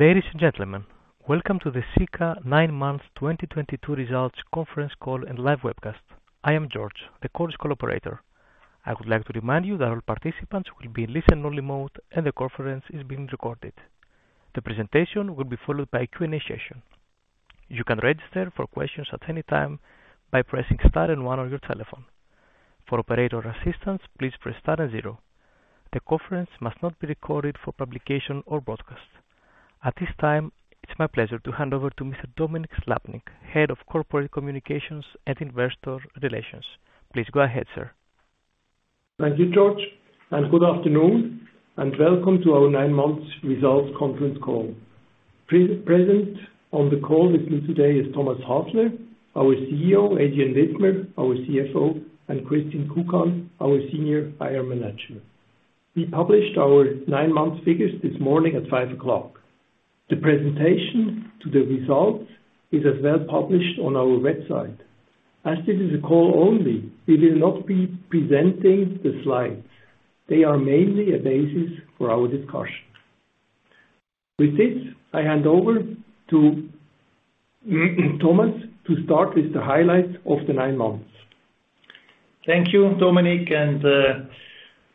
Ladies and gentlemen, welcome to the Sika nine months 2022 results conference call and live webcast. I am George, the conference call operator. I would like to remind you that all participants will be in listen-only mode, and the conference is being recorded. The presentation will be followed by Q&A session. You can register for questions at any time by pressing star and one on your telephone. For operator assistance, please press star and zero. The conference must not be recorded for publication or broadcast. At this time, it's my pleasure to hand over to Mr. Dominik Slappnig, Head of Corporate Communications and Investor Relations. Please go ahead, sir. Thank you, George, and good afternoon, and welcome to our nine months results conference call. Present on the call with me today is Thomas Hasler, our CEO, Adrian Widmer, our CFO, and Christian Kukan, our Senior IR Manager. We published our nine months figures this morning at 5:00 A.M. The presentation to the results is as well published on our website. As this is a call only, we will not be presenting the slides. They are mainly a basis for our discussion. With this, I hand over to Thomas to start with the highlights of the nine months. Thank you, Dominik, and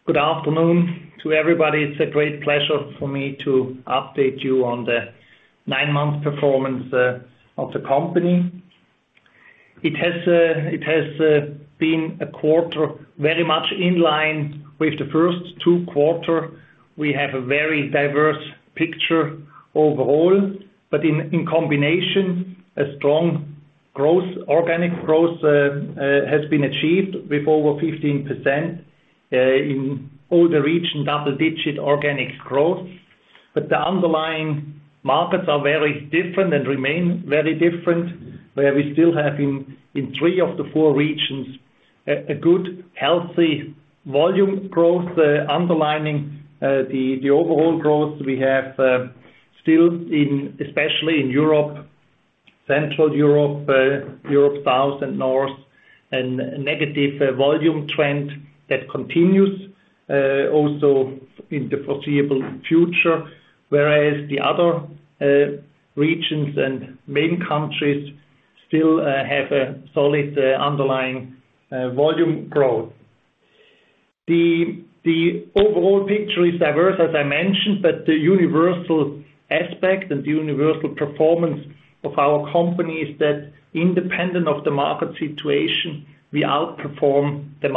good afternoon to everybody. It's a great pleasure for me to update you on the nine-month performance of the company. It has been a quarter very much in line with the first two quarters. We have a very diverse picture overall, but in combination, a strong growth, organic growth, has been achieved with over 15%, in all the regions, double-digit organic growth. The underlying markets are very different and remain very different, where we still have in three of the four regions a good, healthy volume growth, underlining the overall growth we have still in, especially in Europe, Central Europe South and North, and negative volume trend that continues also in the foreseeable future, whereas the other regions and main countries still have a solid underlying volume growth. The overall picture is diverse, as I mentioned, but the universal aspect and the universal performance of our company is that independent of the market situation, we outperform the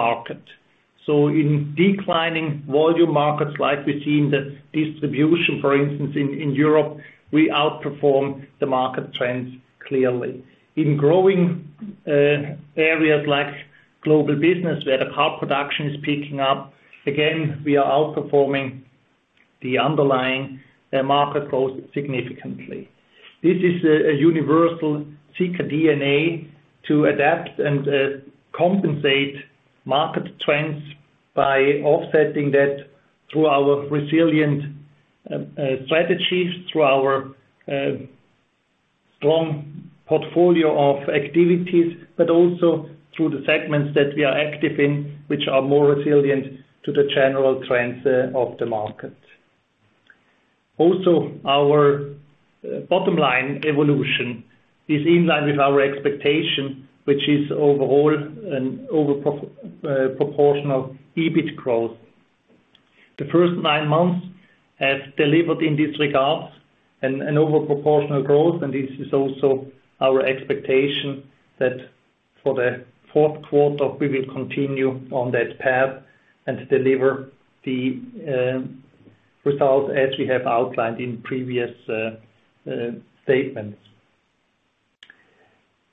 market. In declining volume markets like we see in the distribution, for instance, in Europe, we outperform the market trends clearly. In growing areas like Global Business, where the car production is picking up, again, we are outperforming the underlying market growth significantly. This is a universal Sika DNA to adapt and compensate market trends by offsetting that through our resilient strategies, through our strong portfolio of activities, but also through the segments that we are active in which are more resilient to the general trends of the market. Also, our bottom-line evolution is in line with our expectation, which is overall an over proportional EBIT growth. The first nine months have delivered in this regard an over proportional growth, and this is also our expectation that for the Q4, we will continue on that path and deliver the results as we have outlined in previous statements.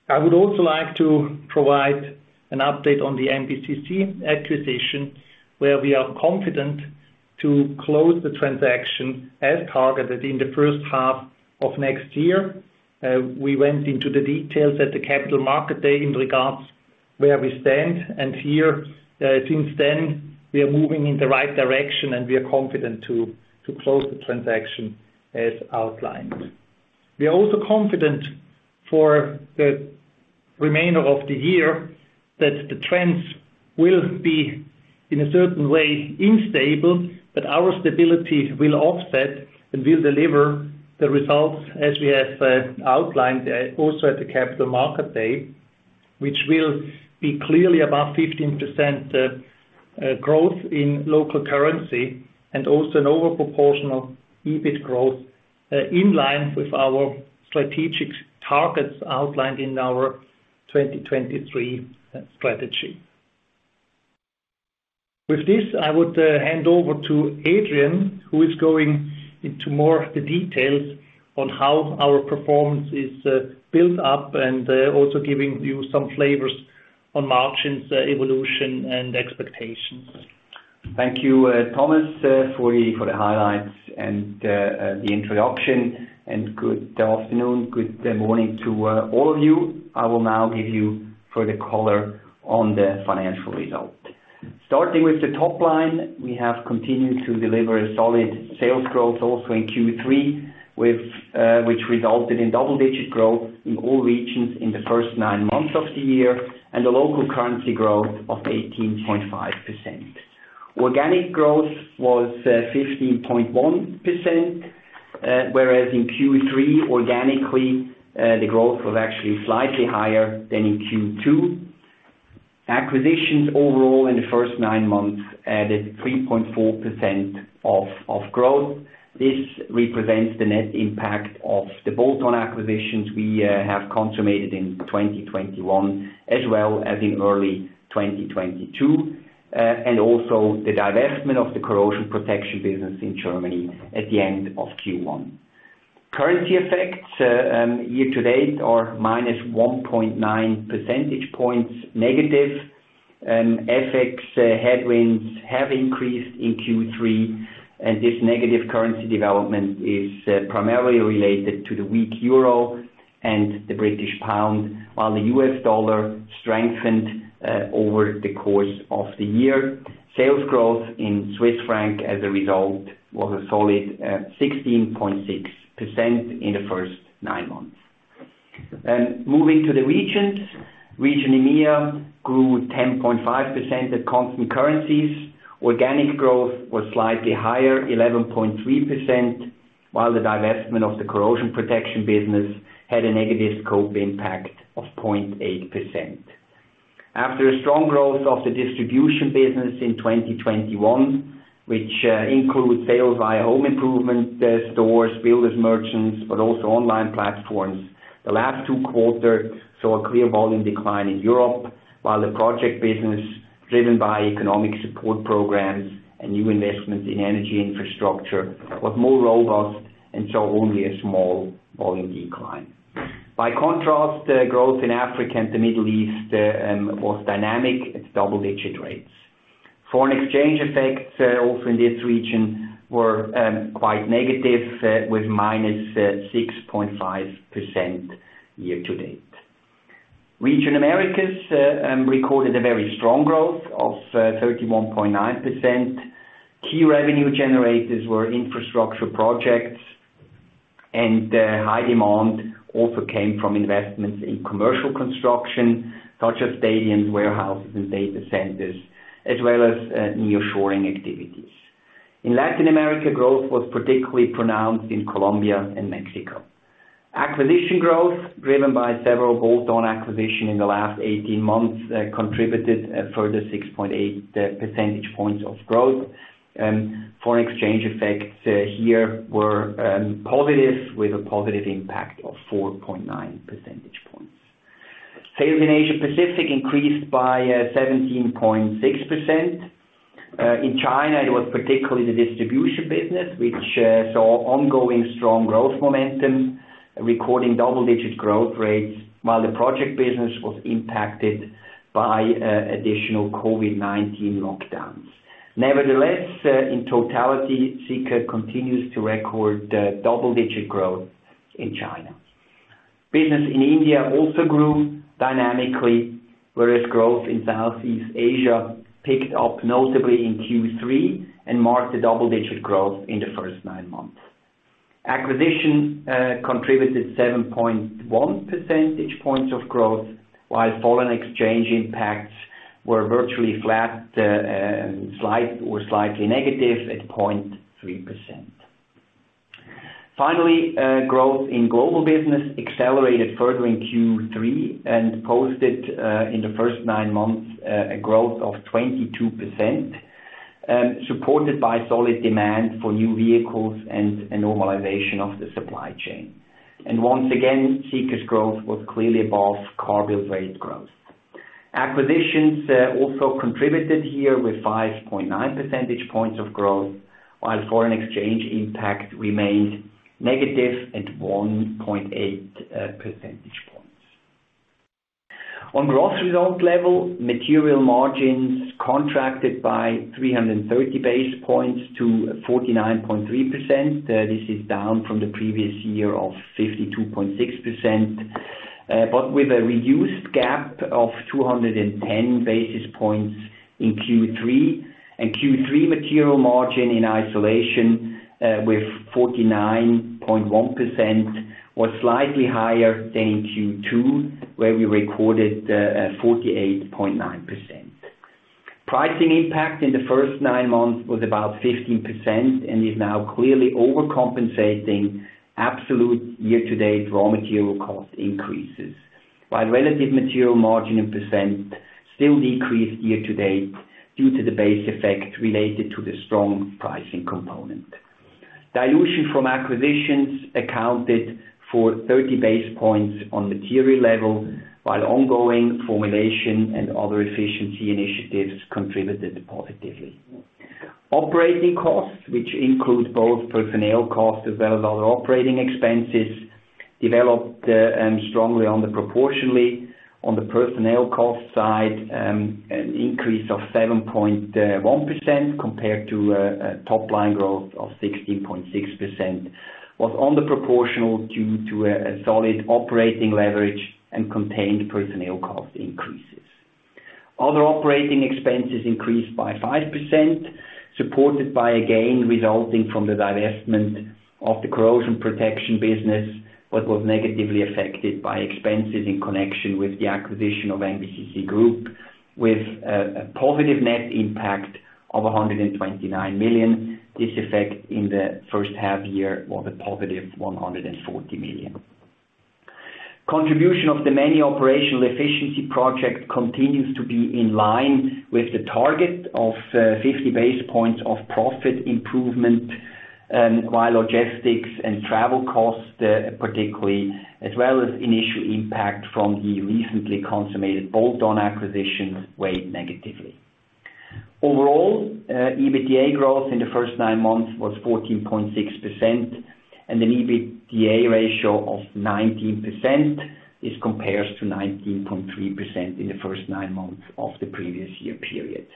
I would also like to provide an update on the MBCC acquisition, where we are confident to close the transaction as targeted in the first half of next year. We went into the details at the Capital Markets Day in regards where we stand, and here, since then, we are moving in the right direction, and we are confident to close the transaction as outlined. We are also confident for the remainder of the year that the trends will be, in a certain way, unstable, but our stability will offset, and we'll deliver the results as we have outlined also at the Capital Markets Day, which will be clearly above 15% growth in local currency and also an over proportional EBIT growth, in line with our strategic targets outlined in our 2023 strategy. With this, I would hand over to Adrian, who is going into more of the details on how our performance is built up and also giving you some flavors on margins evolution and expectations. Thank you, Thomas, for the highlights and the introduction, and good afternoon, good morning to all of you. I will now give you further color on the financial results. Starting with the top line, we have continued to deliver a solid sales growth also in Q3, which resulted in double-digit growth in all regions in the first nine months of the year and a local currency growth of 18.5%. Organic growth was 15.1%, whereas in Q3, organically, the growth was actually slightly higher than in Q2. Acquisitions overall in the first nine months added 3.4% of growth. This represents the net impact of the bolt-on acquisitions we have consummated in 2021 as well as in early 2022, and also the divestment of the corrosion protection business in Germany at the end of Q1. Currency effects year to date are -1.9 percentage points negative. FX headwinds have increased in Q3, and this negative currency development is primarily related to the weak euro and the British pound, while the US dollar strengthened over the course of the year. Sales growth in Swiss franc as a result was a solid 16.6% in the first nine months. Moving to the regions. Region EMEA grew 10.5% at constant currencies. Organic growth was slightly higher, 11.3%, while the divestment of the corrosion protection business had a negative scope impact of 0.8%. After a strong growth of the distribution business in 2021, which includes sales via home improvement stores, builders merchants, but also online platforms, the last two quarters saw a clear volume decline in Europe, while the project business, driven by economic support programs and new investments in energy infrastructure, was more robust and saw only a small volume decline. By contrast, growth in Africa and the Middle East was dynamic at double-digit rates. Foreign exchange effects also in this region were quite negative with -6.5% year to date. Region Americas recorded a very strong growth of 31.9%. Key revenue generators were infrastructure projects, and high demand also came from investments in commercial construction, such as stadiums, warehouses, and data centers, as well as nearshoring activities. In Latin America, growth was particularly pronounced in Colombia and Mexico. Acquisition growth, driven by several bolt-on acquisition in the last 18 months, contributed a further 6.8% of growth. Foreign exchange effects here were positive with a positive impact of +4.9%. Sales in Asia-Pacific increased by 17.6%. In China, it was particularly the distribution business which saw ongoing strong growth momentum, recording double-digit growth rates while the project business was impacted by additional COVID-19 lockdowns. Nevertheless, in totality, Sika continues to record double-digit growth in China. Business in India also grew dynamically, whereas growth in Southeast Asia picked up notably in Q3 and marked a double-digit growth in the first nine months. Acquisition contributed 7.1% of growth, while foreign exchange impacts were virtually flat, slightly negative at 0.3%. Finally, growth in Global Business accelerated further in Q3 and posted in the first nine months a growth of 22%, supported by solid demand for new vehicles and a normalization of the supply chain. Once again, Sika's growth was clearly above car build rate growth. Acquisitions also contributed here with 5.9% of growth, while foreign exchange impact remained negative at 1.8%. On growth result level, material margins contracted by 330 basis points to 49.3%. This is down from the previous year of 52.6%, but with a reduced gap of 210 basis points in Q3. Q3 material margin in isolation with 49.1% was slightly higher than in Q2, where we recorded 48.9%. Pricing impact in the first nine months was about 15% and is now clearly overcompensating absolute year-to-date raw material cost increases, while relative material margin in percent still decreased year to date due to the base effect related to the strong pricing component. Dilution from acquisitions accounted for 30 basis points on material level, while ongoing formulation and other efficiency initiatives contributed positively. Operating costs, which include both personnel costs as well as other operating expenses, developed strongly under proportionally. On the personnel cost side, an increase of 7.1% compared to a top-line growth of 16.6% was under proportional due to a solid operating leverage and contained personnel cost increases. Other operating expenses increased by 5%, supported by a gain resulting from the divestment of the corrosion protection business, but was negatively affected by expenses in connection with the acquisition of MBCC Group, with a positive net impact of 129 million. This effect in the first half year was a positive 140 million. Contribution of the many operational efficiency project continues to be in line with the target of 50 basis points of profit improvement, while logistics and travel costs, particularly as well as initial impact from the recently consummated bolt-on acquisitions weighed negatively. Overall, EBITDA growth in the first nine months was 14.6% and an EBITDA ratio of 19% compares to 19.3% in the first nine months of the previous year period.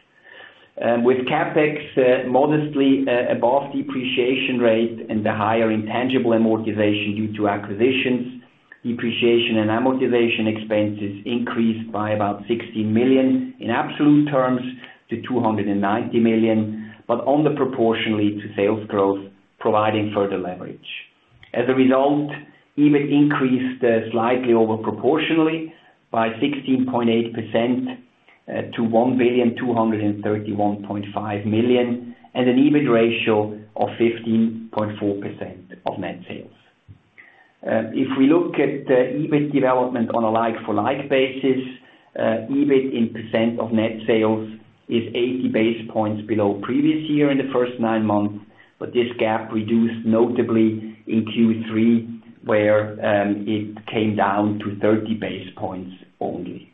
With CapEx modestly above depreciation rate and the higher intangible amortization due to acquisitions, depreciation and amortization expenses increased by about 60 million in absolute terms to 290 million, but disproportionately to sales growth, providing further leverage. As a result, EBIT increased slightly over proportionally by 16.8% to 1,231.5 million, and an EBIT ratio of 15.4% of net sales. If we look at EBIT development on a like-for-like basis, EBIT in percent of net sales is 80 basis points below previous year in the first nine months, but this gap reduced notably in Q3, where it came down to 30 basis points only.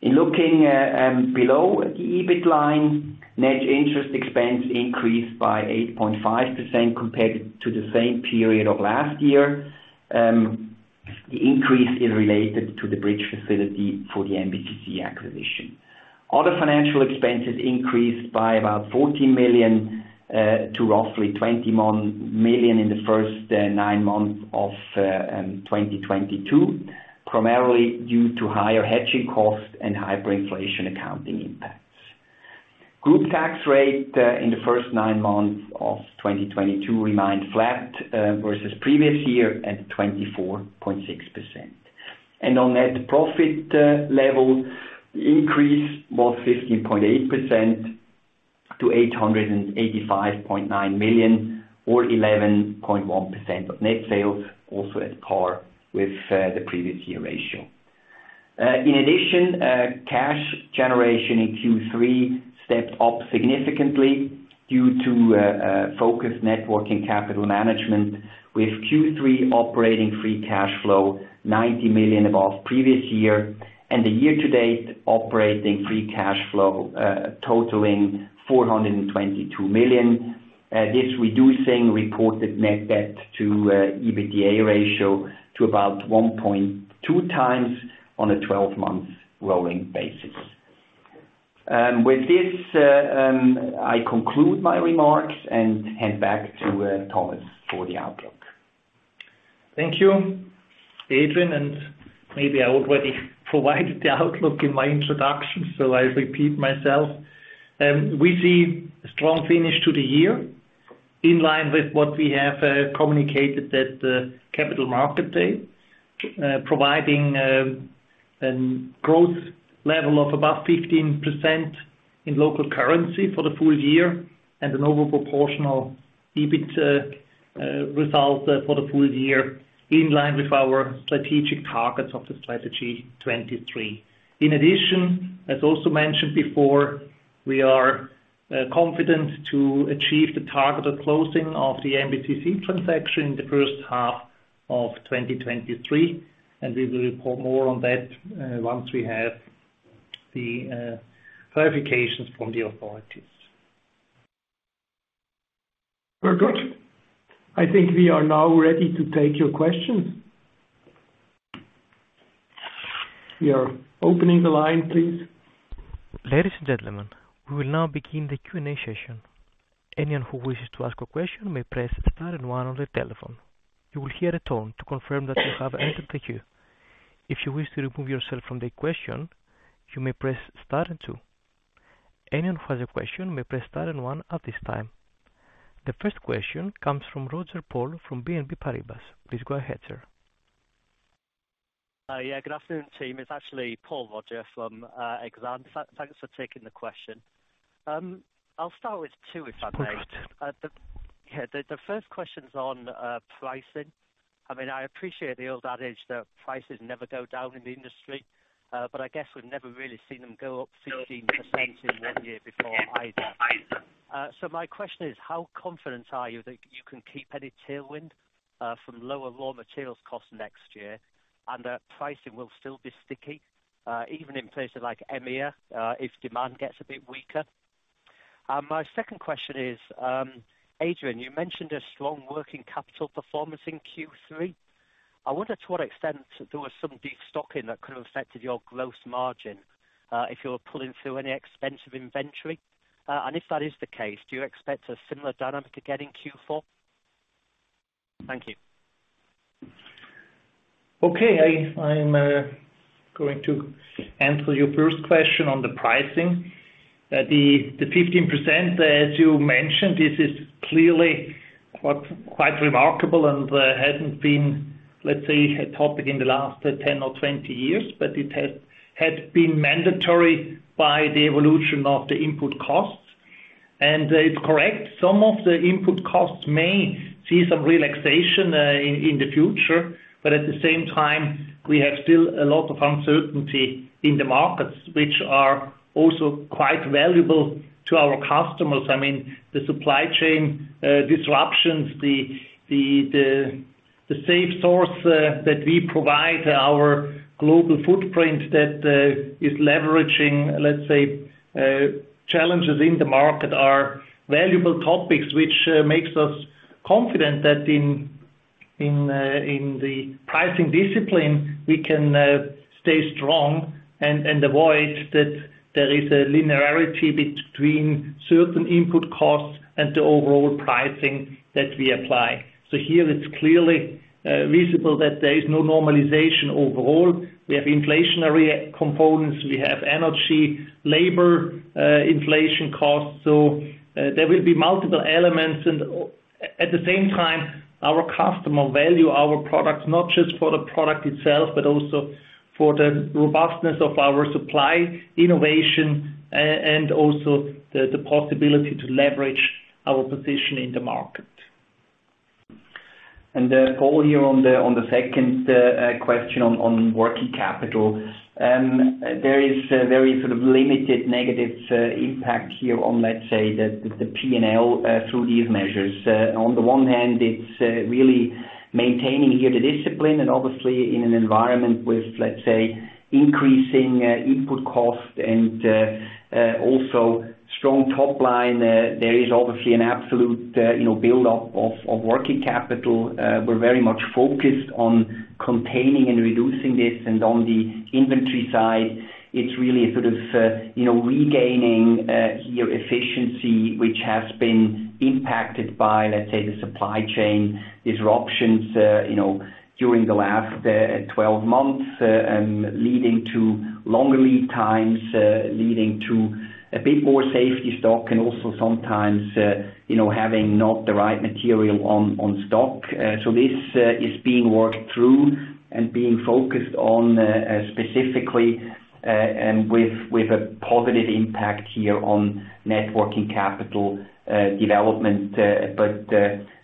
In looking below the EBIT line, net interest expense increased by 8.5% compared to the same period of last year. The increase is related to the bridge facility for the MBCC acquisition. Other financial expenses increased by about 14 million to roughly 20 million in the first nine months of 2022, primarily due to higher hedging costs and hyperinflation accounting impacts. Group tax rate in the first nine months of 2022 remained flat versus previous year at 24.6%. On net profit level, the increase was 15.8% to 885.9 million, or 11.1% of net sales, also at par with the previous year ratio. In addition, cash generation in Q3 stepped up significantly due to focused net working capital management with Q3 operating free cash flow 90 million above previous year and the year-to-date operating free cash flow totaling 422 million. This, reducing reported net debt to EBITDA ratio to about 1.2 times on a 12-month rolling basis. With this, I conclude my remarks and hand back to Thomas for the outlook. Thank you, Adrian, and maybe I already provided the outlook in my introduction, so I repeat myself. We see a strong finish to the year in line with what we have communicated at the Capital Markets Day, providing growth level of above 15% in local currency for the full year and an over proportional EBIT result for the full year in line with our strategic targets of the Strategy '23. In addition, as also mentioned before, we are confident to achieve the targeted closing of the MBCC transaction in the first half of 2023, and we will report more on that once we have the clarifications from the authorities. Very good. I think we are now ready to take your questions. We are opening the line, please. Ladies and gentlemen, we will now begin the Q&A session. Anyone who wishes to ask a question may press star and one on their telephone. You will hear a tone to confirm that you have entered the queue. If you wish to remove yourself from the question, you may press star and two. Anyone who has a question may press star and one at this time. The first question comes from Paul Roger from BNP Paribas. Please go ahead, sir. Yeah. Good afternoon, team. It's actually Paul Roger from Exane. Thanks for taking the question. I'll start with two, if I may. Of course. The first question's on pricing. I mean, I appreciate the old adage that prices never go down in the industry, but I guess we've never really seen them go up 15% in one year before either. My question is how confident are you that you can keep any tailwind from lower raw materials costs next year and that pricing will still be sticky, even in places like EMEA, if demand gets a bit weaker? My second question is, Adrian, you mentioned a strong working capital performance in Q3. I wonder to what extent there was some de-stocking that could have affected your gross margin, if you were pulling through any expensive inventory. If that is the case, do you expect a similar dynamic again in Q4? Thank you. Okay. I'm going to answer your first question on the pricing. The 15%, as you mentioned, this is clearly quite remarkable and hasn't been, let's say, a topic in the last 10 or 20 years, but it has been mandatory by the evolution of the input costs. It's correct, some of the input costs may see some relaxation in the future, but at the same time, we have still a lot of uncertainty in the markets, which are also quite valuable to our customers. I mean, the supply chain disruptions, the safe sourcing that we provide, our global footprint that is leveraging, let's say, challenges in the market are valuable topics, which makes us confident that in the pricing discipline, we can stay strong and avoid that there is a linearity between certain input costs and the overall pricing that we apply. Here it's clearly visible that there is no normalization overall. We have inflationary components, we have energy, labor inflation costs. There will be multiple elements and at the same time, our customers value our products, not just for the product itself, but also for the robustness of our supply chain innovation and also the possibility to leverage our position in the market. Paul, here on the second question on working capital. There is a very sort of limited negative impact here on, let's say, the P&L through these measures. On the one hand, it's really maintaining here the discipline and obviously in an environment with, let's say, increasing input cost and also strong top line, there is obviously an absolute, you know, buildup of working capital. We're very much focused on containing and reducing this. On the inventory side, it's really sort of, you know, regaining your efficiency, which has been impacted by, let's say, the supply chain disruptions, you know, during the last 12 months, leading to longer lead times, a bit more safety stock and also sometimes, you know, having not the right material on stock. This is being worked through and being focused on specifically, and with a positive impact here on net working capital development, but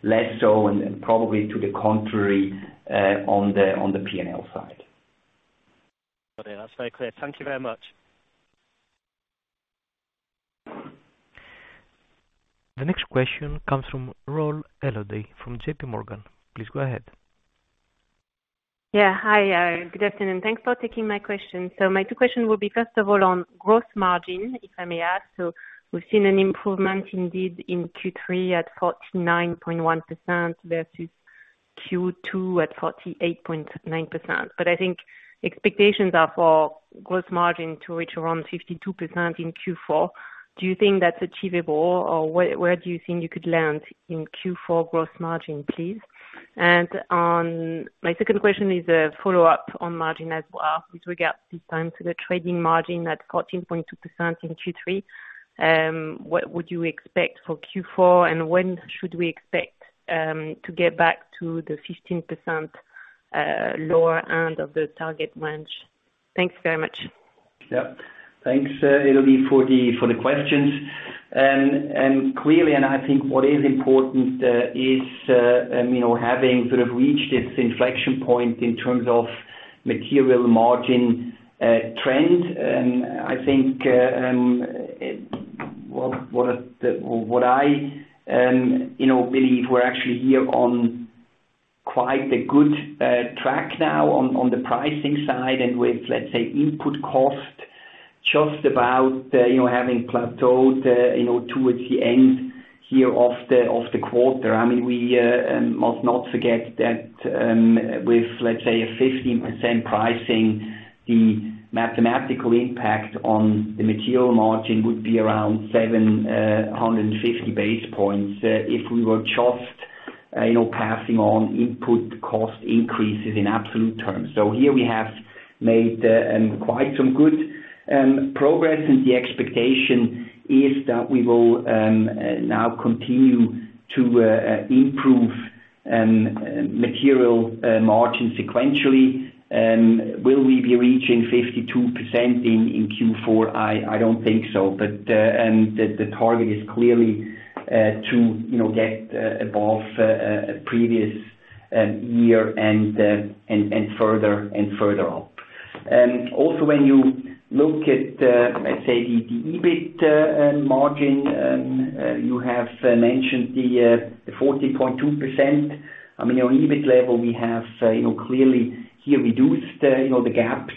less so and probably to the contrary on the P&L side. Okay. That's very clear. Thank you very much. The next question comes from Elodie Rall from J.P. Morgan. Please go ahead. Yeah. Hi, good afternoon. Thanks for taking my question. My two question will be first of all on gross margin, if I may ask. We've seen an improvement indeed in Q3 at 49.1% versus Q2 at 48.9%. I think expectations are for gross margin to reach around 52% in Q4. Do you think that's achievable or where do you think you could land in Q4 gross margin, please? On my second question is a follow-up on margin as well, with regard this time to the trading margin at 14.2% in Q3. What would you expect for Q4? And when should we expect to get back to the 15%, lower end of the target range? Thanks very much. Yeah. Thanks, Elodie for the questions. Clearly I think what is important is you know having sort of reached this inflection point in terms of material margin trend. I think what I you know believe we're actually here on quite a good track now on the pricing side and with let's say input cost just about you know having plateaued you know towards the end here of the quarter. I mean we must not forget that with let's say a 15% pricing the mathematical impact on the material margin would be around 750 basis points if we were just you know passing on input cost increases in absolute terms. Here we have made quite some good progress, and the expectation is that we will now continue to improve material margin sequentially. Will we be reaching 52% in Q4? I don't think so. The target is clearly to you know get above previous year and further and further up. Also when you look at let's say the EBIT margin you have mentioned the 14.2%. I mean, on EBIT level we have you know clearly here reduced you know the gap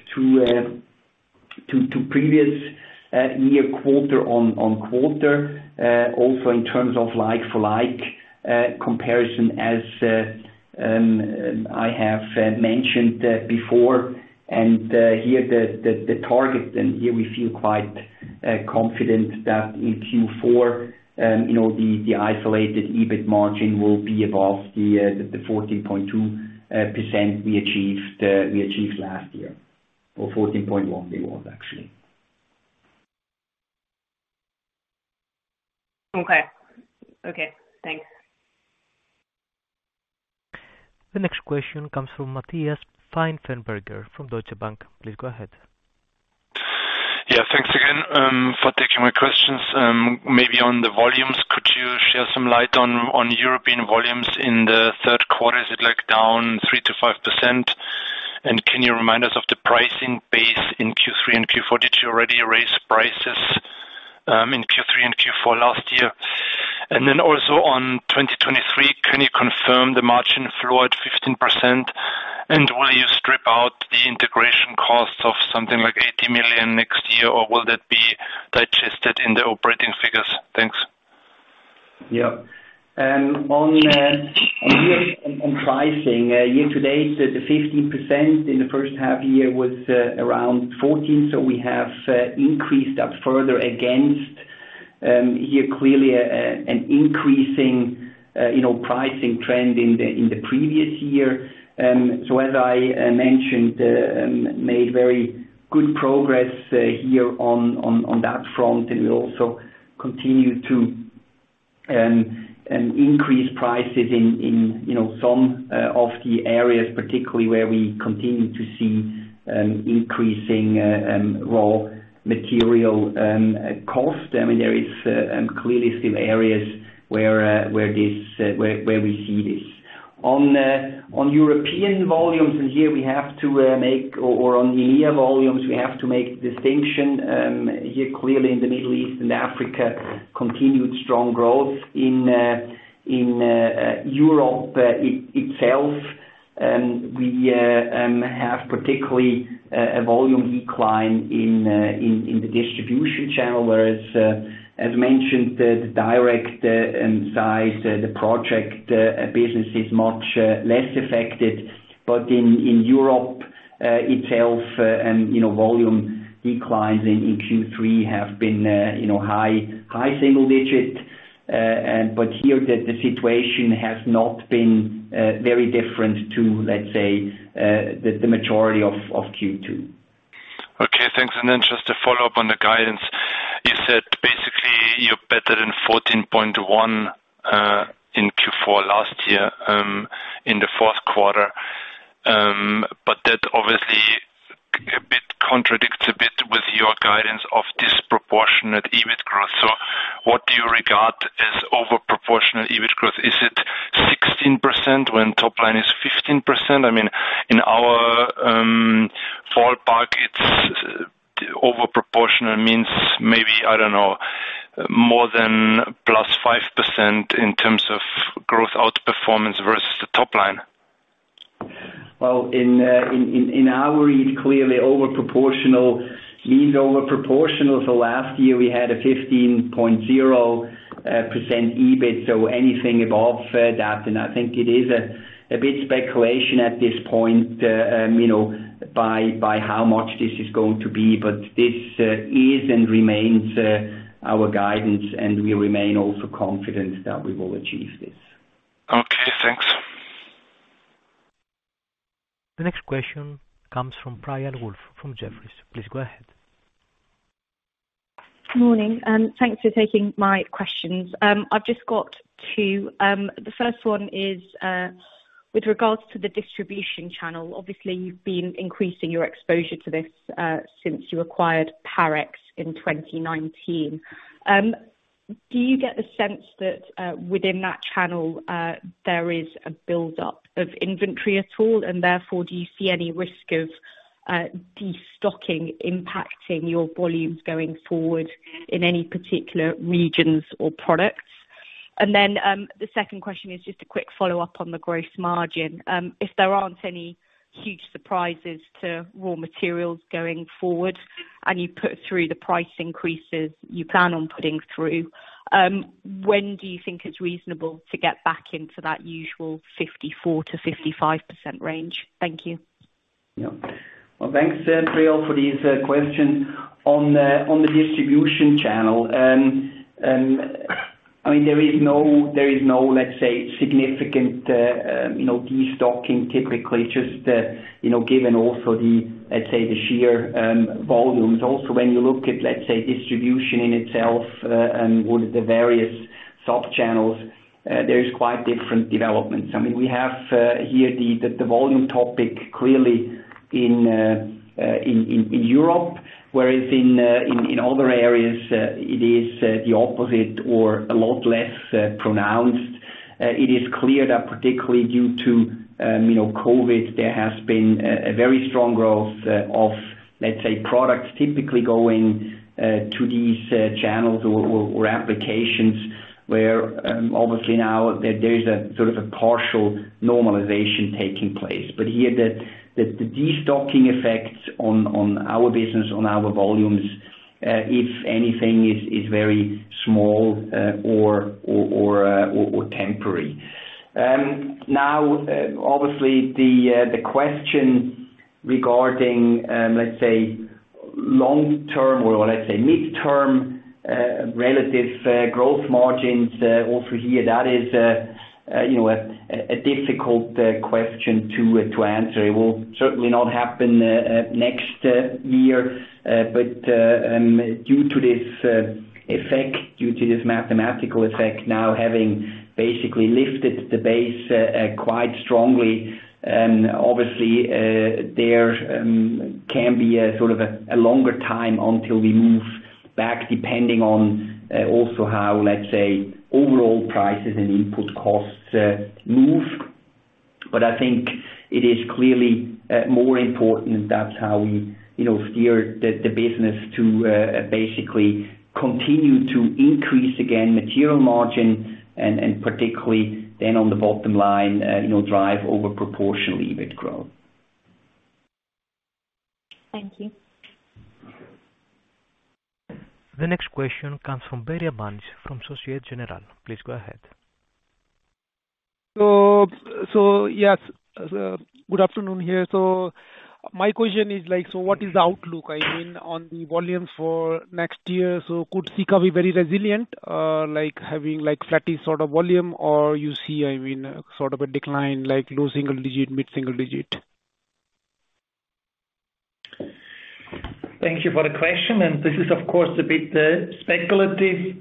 to previous year quarter on quarter. Also, in terms of like-for-like comparison, as I have mentioned before, and here the target and here we feel quite confident that in Q4, you know, the isolated EBIT margin will be above the 14.2% we achieved last year, or 14.1%, it was actually. Okay. Okay, thanks. The next question comes from Matthias Pfeifenberger from Deutsche Bank. Please go ahead. Yeah, thanks again for taking my questions. Maybe on the volumes, could you shed some light on European volumes in the Q3, is it like down 3%-5%? And can you remind us of the pricing base in Q3 and Q4? Did you already raise prices in Q3 and Q4 last year? And then also on 2023, can you confirm the margin flow at 15%? And will you strip out the integration costs of something like 80 million next year, or will that be digested in the operating figures? Thanks. Yeah. On pricing, year-to-date, the 15% in the first half year was around 14%, so we have increased that further against here clearly an increasing, you know, pricing trend in the previous year. So as I mentioned, made very good progress here on that front, and we also continue to increase prices in, you know, some of the areas, particularly where we continue to see increasing raw material cost. I mean, there is clearly some areas where this where we see this. On European volumes, and here we have to make on EMEA volumes, we have to make distinction here clearly in the Middle East and Africa, continued strong growth. In Europe itself, we have particularly a volume decline in the distribution channel, whereas, as mentioned, the direct sales, the project business is much less affected. In Europe itself, you know, volume declines in Q3 have been, you know, high single digit. Here the situation has not been very different to, let's say, the majority of Q2. Okay, thanks. Just a follow-up on the guidance. You said basically you're better than 14.1 in Q4 last year in the Q4. That obviously a bit contradicts a bit with your guidance of disproportionate EBIT growth. What do you regard as over proportional EBIT growth? Is it 16% when top line is 15%? I mean, in our fall buckets, over proportional means maybe, I don't know, more than +5% in terms of growth outperformance versus the top line. Well, in our read, clearly over proportional means over proportional. Last year we had a 15.0% EBIT. Anything above that, and I think it is a bit speculation at this point, you know, by how much this is going to be. This is and remains our guidance, and we remain also confident that we will achieve this. Okay, thanks. The next question comes from Priyal Woolf from Jefferies. Please go ahead. Morning. Thanks for taking my questions. I've just got two. The first one is, with regards to the distribution channel. Obviously you've been increasing your exposure to this, since you acquired Parex in 2019. Do you get the sense that, within that channel, there is a build-up of inventory at all, and therefore do you see any risk of, destocking impacting your volumes going forward in any particular regions or products? The second question is just a quick follow-up on the gross margin. If there aren't any huge surprises to raw materials going forward, and you put through the price increases you plan on putting through, when do you think it's reasonable to get back into that usual 54%-55% range? Thank you. Well, thanks, Priyal for these question. On the distribution channel. I mean, there is no let's say significant you know destocking typically, just you know given also the let's say the sheer volumes. Also, when you look at, let's say, distribution in itself and with the various sub-channels, there is quite different developments. I mean, we have here the volume topic clearly in Europe, whereas in other areas it is the opposite or a lot less pronounced. It is clear that particularly due to, you know, COVID, there has been a very strong growth of, let's say, products typically going to these channels or applications where, obviously now there is sort of a partial normalization taking place. Here the destocking effects on our business, on our volumes, if anything is very small or temporary. Now, obviously the question regarding, let's say long-term, or let's say midterm relative growth margins, also here, that is, you know, a difficult question to answer. It will certainly not happen next year. Due to this mathematical effect now having basically lifted the base quite strongly, obviously there can be sort of a longer time until we move back, depending on also how, let's say, overall prices and input costs move. I think it is clearly more important, that's how we, you know, steer the business to basically continue to increase again material margin and particularly then on the bottom line, you know, drive over proportionally EBIT growth. Thank you. The next question comes from Harry Dow from Société Générale. Please go ahead. Yes, good afternoon here. My question is like, what is the outlook, I mean, on the volume for next year? Could Sika be very resilient, like, having, like, flat sort of volume? Or you see, I mean, sort of a decline like low single digit, mid-single digit? Thank you for the question. This is, of course, a bit speculative.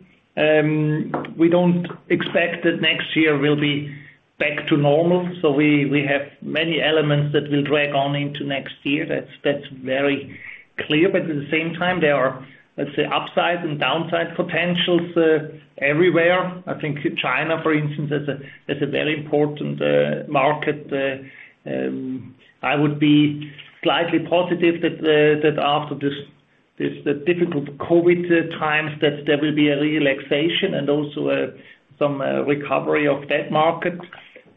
We don't expect that next year will be back to normal. We have many elements that will drag on into next year. That's very clear. At the same time, there are, let's say, upside and downside potentials everywhere. I think China, for instance, is a very important market. I would be slightly positive that after this the difficult COVID times, that there will be a relaxation and also some recovery of that market.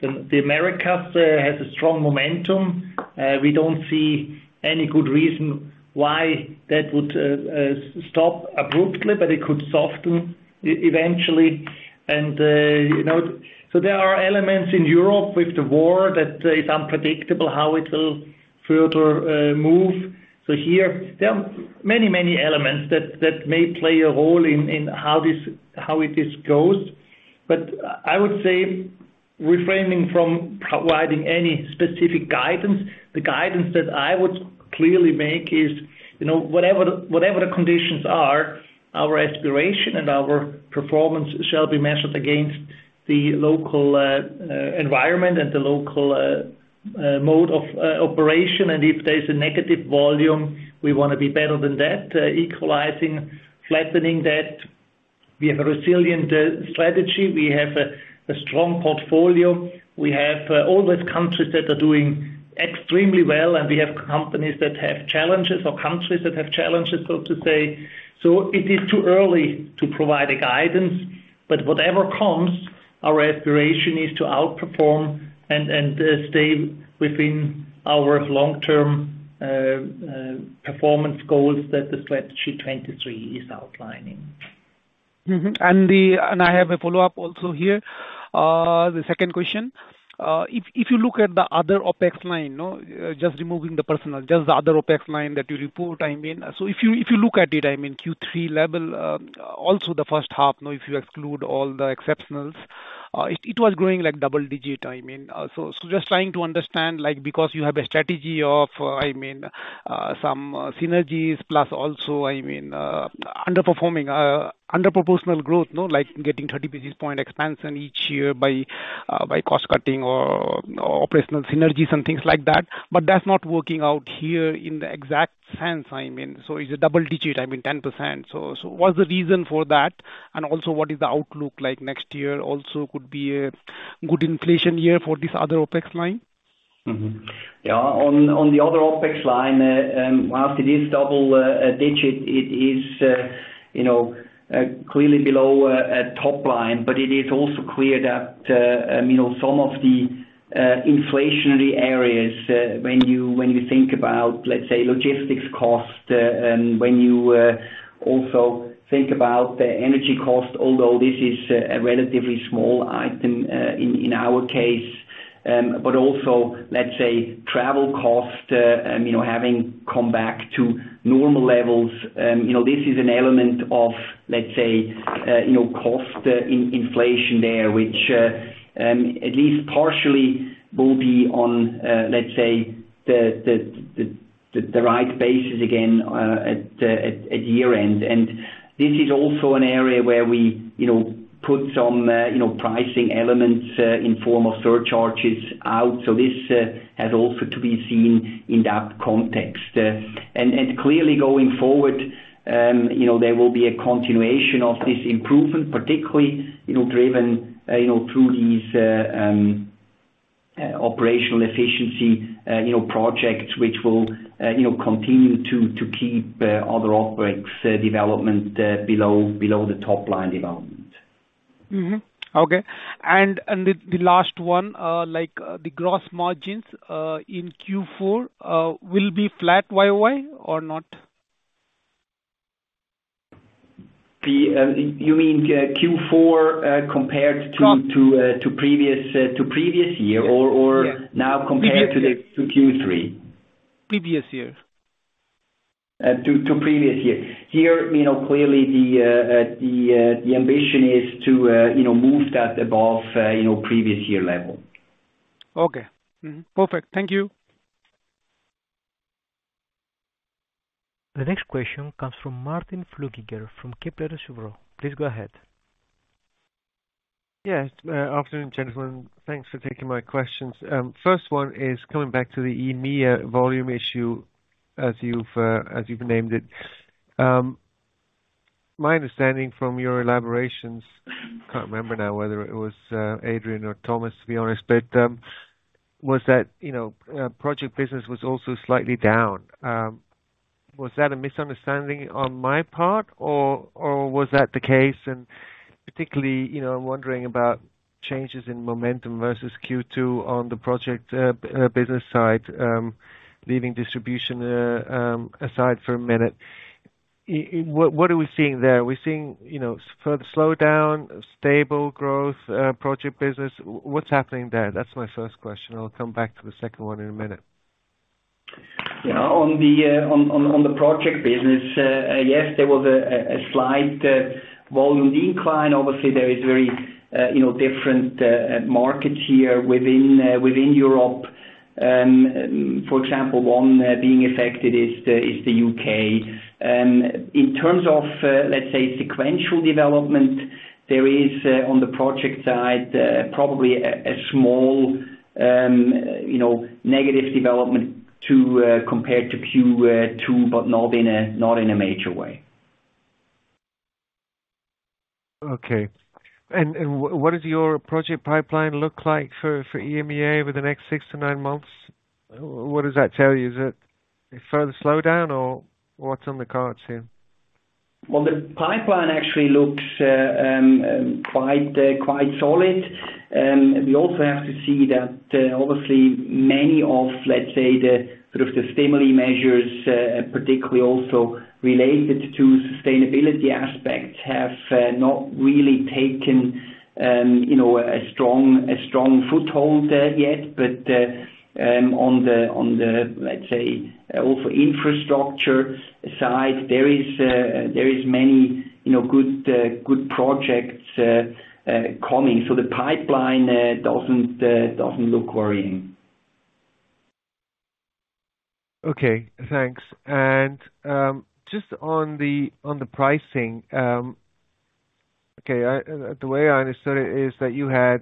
The Americas has a strong momentum. We don't see any good reason why that would stop abruptly, but it could soften eventually. You know. There are elements in Europe with the war that is unpredictable, how it will further move. Here there are many elements that may play a role in how it goes. I would say refraining from providing any specific guidance. The guidance that I would clearly make is, you know, whatever the conditions are, our aspiration and our performance shall be measured against the local environment and the local mode of operation. If there's a negative volume, we wanna be better than that. Equalizing, flattening that. We have a resilient strategy. We have a strong portfolio. We have all these countries that are doing extremely well, and we have companies that have challenges or countries that have challenges, so to say. It is too early to provide a guidance, but whatever comes, our aspiration is to outperform and stay within our long-term performance goals that the Strategy 2023 is outlining. I have a follow-up also here. The second question. If you look at the other OpEx line, you know, just removing the personnel, just the other OpEx line that you report, I mean. If you look at it, I mean, Q3 level, also the first half, you know, if you exclude all the exceptionals, it was growing like double-digit, I mean. Just trying to understand, like, because you have a strategy of, I mean, some synergies plus also, I mean, under-proportional growth, you know, like getting 30 basis points expansion each year by cost cutting or operational synergies and things like that. That's not working out here in the exact sense, I mean. It's a double-digit, I mean 10%. What's the reason for that? Also, what is the outlook like next year? Also could be a good inflation year for this other OpEx line. On the other OpEx line, after this double digit, it is, you know, clearly below top line. It is also clear that, you know, some of the inflationary areas, when you think about, let's say, logistics cost, and when you also think about the energy cost, although this is a relatively small item, in our case, but also, let's say, travel cost, you know, having come back to normal levels, you know, this is an element of, let's say, you know, cost inflation there, which, at least partially will be on, let's say, the right basis again, at year-end. This is also an area where we, you know, put some, you know, pricing elements in form of surcharges out. This has also to be seen in that context. Clearly going forward, you know, there will be a continuation of this improvement, particularly, you know, driven, you know, through these operational efficiency, you know, projects which will, you know, continue to keep other OpEx development below the top line development. Mm-hmm. Okay. The last one, like, the gross margins in Q4 will be flat YOY or not? You mean Q4 compared to Gross. To previous year. Yes. Yeah. now compared to Q3? Previous year. To previous year. Here, you know, clearly the ambition is to, you know, move that above, you know, previous year level. Okay. Mm-hmm. Perfect. Thank you. The next question comes from Martin Flückiger from Kepler Cheuvreux. Please go ahead. Yes. Afternoon, gentlemen. Thanks for taking my questions. First one is coming back to the EMEA volume issue as you've named it. My understanding from your elaborations, can't remember now whether it was Adrian or Thomas, to be honest, but was that, you know, project business was also slightly down. Was that a misunderstanding on my part, or was that the case? Particularly, you know, I'm wondering about changes in momentum versus Q2 on the project business side, leaving distribution aside for a minute. What are we seeing there? Are we seeing, you know, further slowdown, stable growth, project business? What's happening there? That's my first question. I'll come back to the second one in a minute. Yeah. On the project business, yes, there was a slight volume decline. Obviously, there is very, you know, different markets here within Europe. For example, one being affected is the UK. In terms of, let's say, sequential development, there is on the project side probably a small, you know, negative development compared to Q2, but not in a major way. What does your project pipeline look like for EMEA over the next six to nine months? What does that tell you? Is it a further slowdown or what's on the cards here? Well, the pipeline actually looks quite solid. We also have to see that obviously many of, let's say, the sort of stimuli measures, particularly also related to sustainability aspects, have not really taken, you know, a strong foothold yet. On the, let's say, for infrastructure side, there is many, you know, good projects coming. The pipeline doesn't look worrying. Okay. Thanks. Just on the pricing, the way I understood it is that you had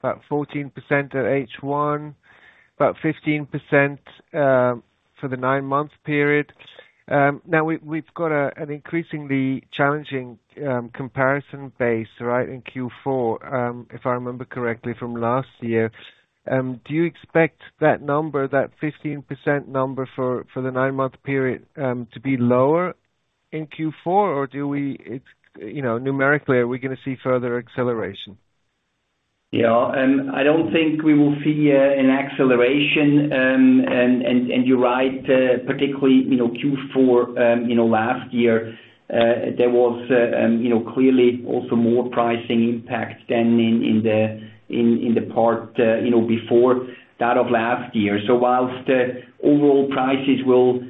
about 14% at H1, about 15%, for the nine-month period. Now we've got an increasingly challenging comparison base, right, in Q4, if I remember correctly from last year. Do you expect that number, that 15% number for the nine-month period, to be lower in Q4? Or it's, you know, numerically, are we gonna see further acceleration? Yeah. I don't think we will see an acceleration. You're right, particularly, you know, Q4, you know, last year, there was, you know, clearly also more pricing impact than in the part before that of last year. While the overall prices will,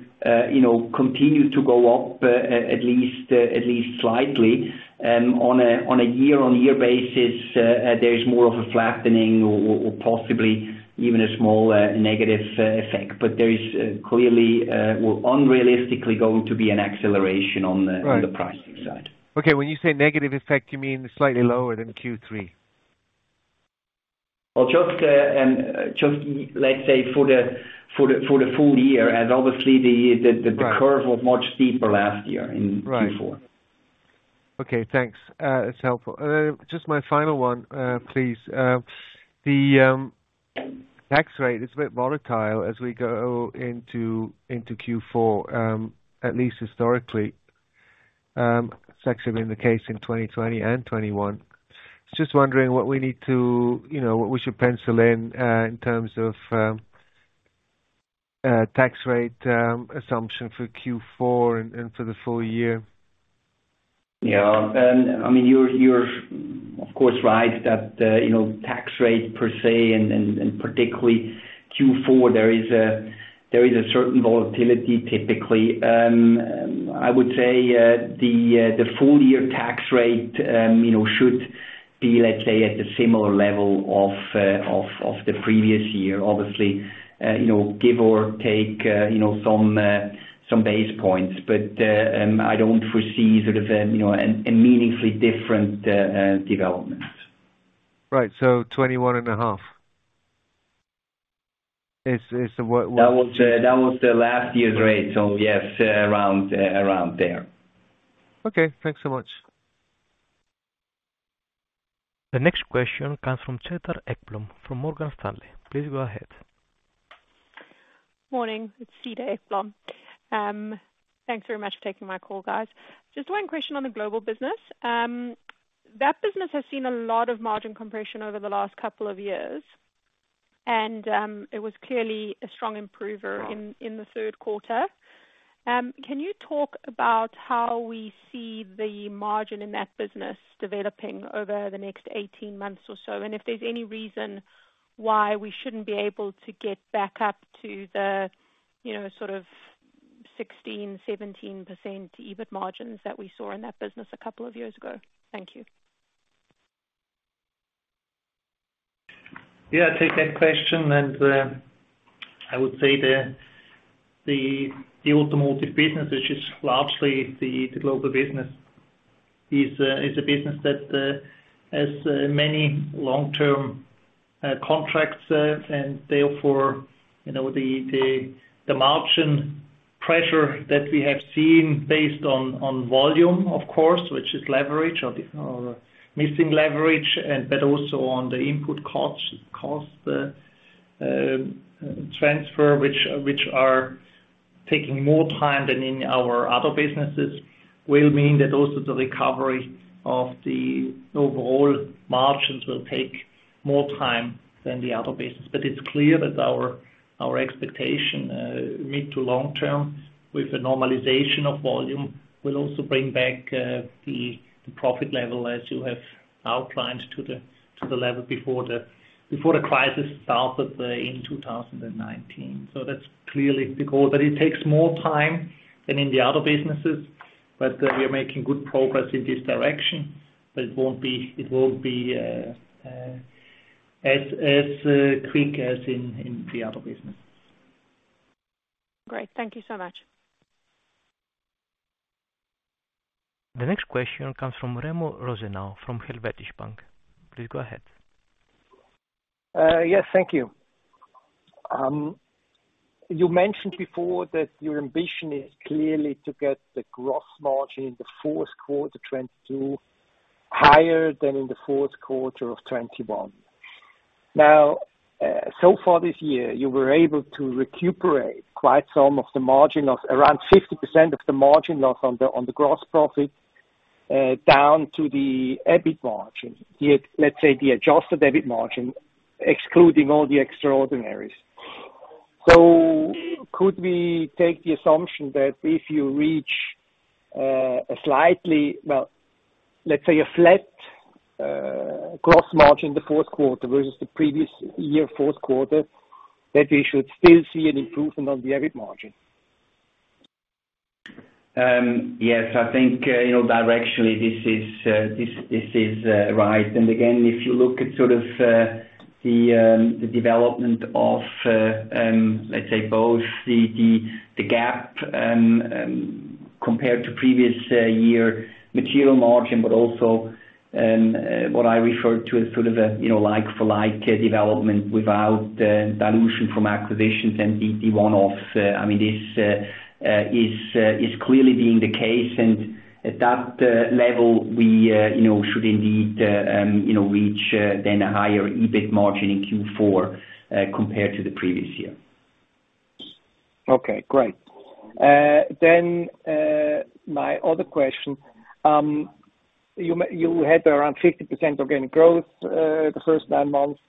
you know, continue to go up, at least slightly, on a year-over-year basis, there's more of a flattening or possibly even a small negative effect. There is clearly, well, unrealistically going to be an acceleration on the. Right. on the pricing side. Okay. When you say negative effect, you mean slightly lower than Q3? Well, just let's say for the full year, as obviously the Right. The curve was much steeper last year in Q4. Right. Okay, thanks. It's helpful. Just my final one, please. The tax rate is a bit volatile as we go into Q4, at least historically. It's actually been the case in 2020 and 2021. I was just wondering what we need to, you know, what we should pencil in in terms of tax rate assumption for Q4 and for the full year. Yeah. I mean, you're of course right that, you know, tax rate per se and particularly Q4, there is a certain volatility typically. I would say the full year tax rate, you know, should be, let's say, at a similar level to the previous year, obviously, you know, give or take, you know, some basis points. I don't foresee sort of, you know, a meaningfully different development. Right. 21.5 is the what- That was the last year's rate. Yes, around there. Okay. Thanks so much. The next question comes from Cedar Ekblom from Morgan Stanley. Please go ahead. Morning. It's Cedar Ekblom. Thanks very much for taking my call, guys. Just one question on the Global Business. That business has seen a lot of margin compression over the last couple of years, and it was clearly a strong improver- Mm. in the Q3. Can you talk about how we see the margin in that business developing over the next 18 months or so, and if there's any reason why we shouldn't be able to get back up to the, you know, sort of 16%-17% EBIT margins that we saw in that business a couple of years ago? Thank you. Yeah, I take that question, and I would say the automotive business, which is largely the global business, is a business that has many long-term contracts. Therefore, you know, the margin pressure that we have seen based on volume, of course, which is leverage or missing leverage, but also on the input cost transfer, which are taking more time than in our other businesses, will mean that also the recovery of the overall margins will take more time than the other business. It's clear that our expectation mid- to long-term with the normalization of volume will also bring back the profit level as you have outlined to the level before the crisis started in 2019. That's clearly the goal. It takes more time than in the other businesses. We are making good progress in this direction. It won't be as quick as in the other business. Great. Thank you so much. The next question comes from Remo Rosenau, from Helvetische Bank. Please go ahead. Yes, thank you. You mentioned before that your ambition is clearly to get the gross margin in the Q4 2022 higher than in the Q4 of 2021. Now, so far this year, you were able to recuperate quite some of the margin of around 50% of the margin loss on the gross profit down to the EBIT margin. Let's say, the adjusted EBIT margin, excluding all the extraordinaries. Could we take the assumption that if you reach a slightly, well, let's say a flat gross margin in the Q4 versus the previous year fourth quarter, that we should still see an improvement on the EBIT margin? Yes. I think, you know, directionally this is right. Again, if you look at sort of the development of, let's say both the gap compared to previous year material margin, but also what I refer to as sort of a, you know, like for like development without dilution from acquisitions and the one-offs, I mean this is clearly being the case. At that level, we, you know, should indeed, you know, reach then a higher EBIT margin in Q4 compared to the previous year. Okay, great. My other question, you had around 50% organic growth the first nine months,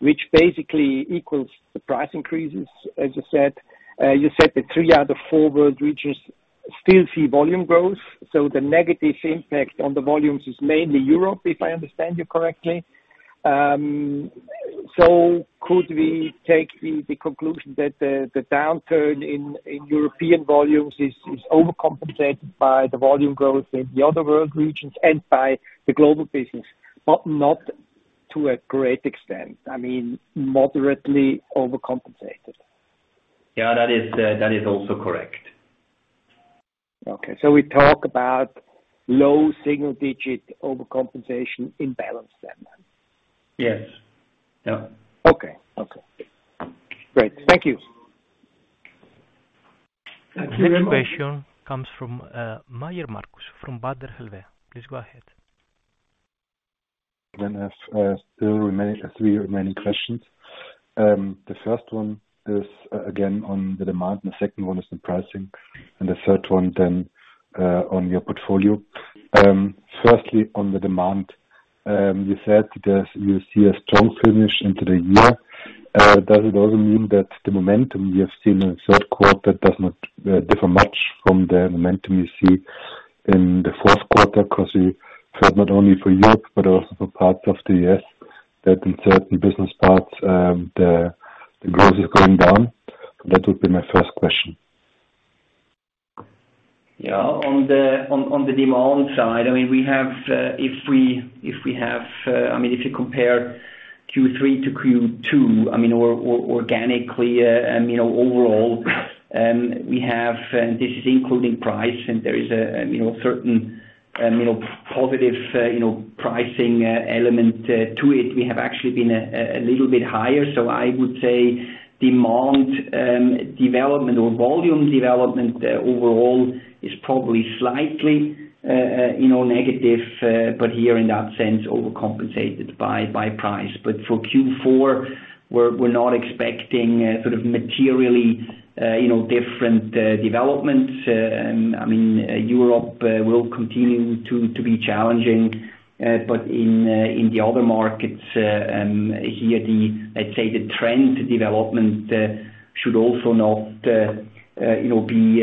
which basically equals the price increases, as you said. You said three out of four world regions still see volume growth, so the negative impact on the volumes is mainly Europe, if I understand you correctly. Could we take the conclusion that the downturn in European volumes is overcompensated by the volume growth in the other world regions and by the Global Business, but not to a great extent? I mean, moderately overcompensated. Yeah, that is also correct. Okay. We talk about low single-digit overcompensation in balance then. Yes. Yeah. Okay. Great. Thank you. Thank you very much. Next question comes from Markus Mayer, from Baader Helvea. Please go ahead. I have three remaining questions. The first one is again on the demand, the second one is the pricing, and the third one then on your portfolio. Firstly, on the demand, you said that you see a strong finish into the year. Does it also mean that the momentum you have seen in the third quarter does not differ much from the momentum you see in the Q4? Because you said not only for Europe but also for parts of the US, that in certain business parts, the growth is going down. That would be my first question. On the demand side, I mean, we have, if we have, I mean, if you compare Q3 to Q2, I mean organically, and, you know, overall, we have, and this is including price, and there is a, you know, certain, you know, positive, you know, pricing element to it. We have actually been a little bit higher. I would say demand development or volume development overall is probably slightly, you know, negative, but here in that sense, overcompensated by price. For Q4, we're not expecting sort of materially, you know, different development. I mean, Europe will continue to be challenging, but in the other markets, I'd say the trend development should also not, you know, be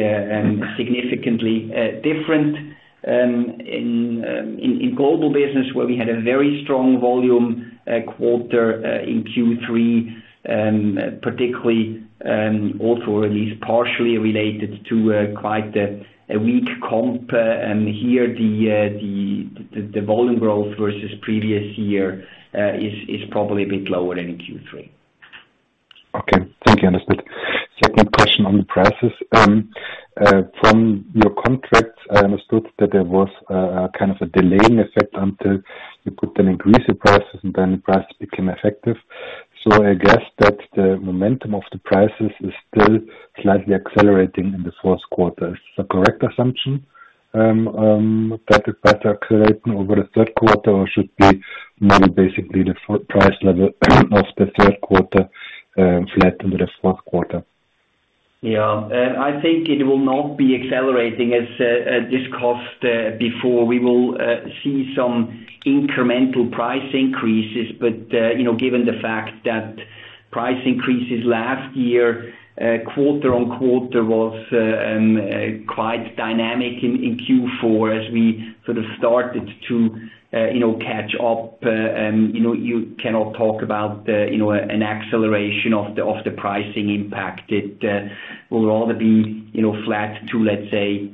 significantly different. In Global Business where we had a very strong volume quarter in Q3, particularly also at least partially related to quite a weak comp. Here the volume growth versus previous year is probably a bit lower than in Q3. Okay. Think I understood. Second question on the prices. From your contract, I understood that there was a kind of a delaying effect until you could then increase your prices and then the prices became effective. I guess that the momentum of the prices is still slightly accelerating in the Q4. Is this a correct assumption that it might accelerate over the Q3 or should be maybe basically the full-price level of the Q3 flat into the Q4? Yeah. I think it will not be accelerating as discussed before. We will see some incremental price increases. You know, given the fact that price increases last year quarter-on-quarter was quite dynamic in Q4 as we sort of started to you know catch up. You know, you cannot talk about you know an acceleration of the pricing impact. It will rather be you know flat to let's say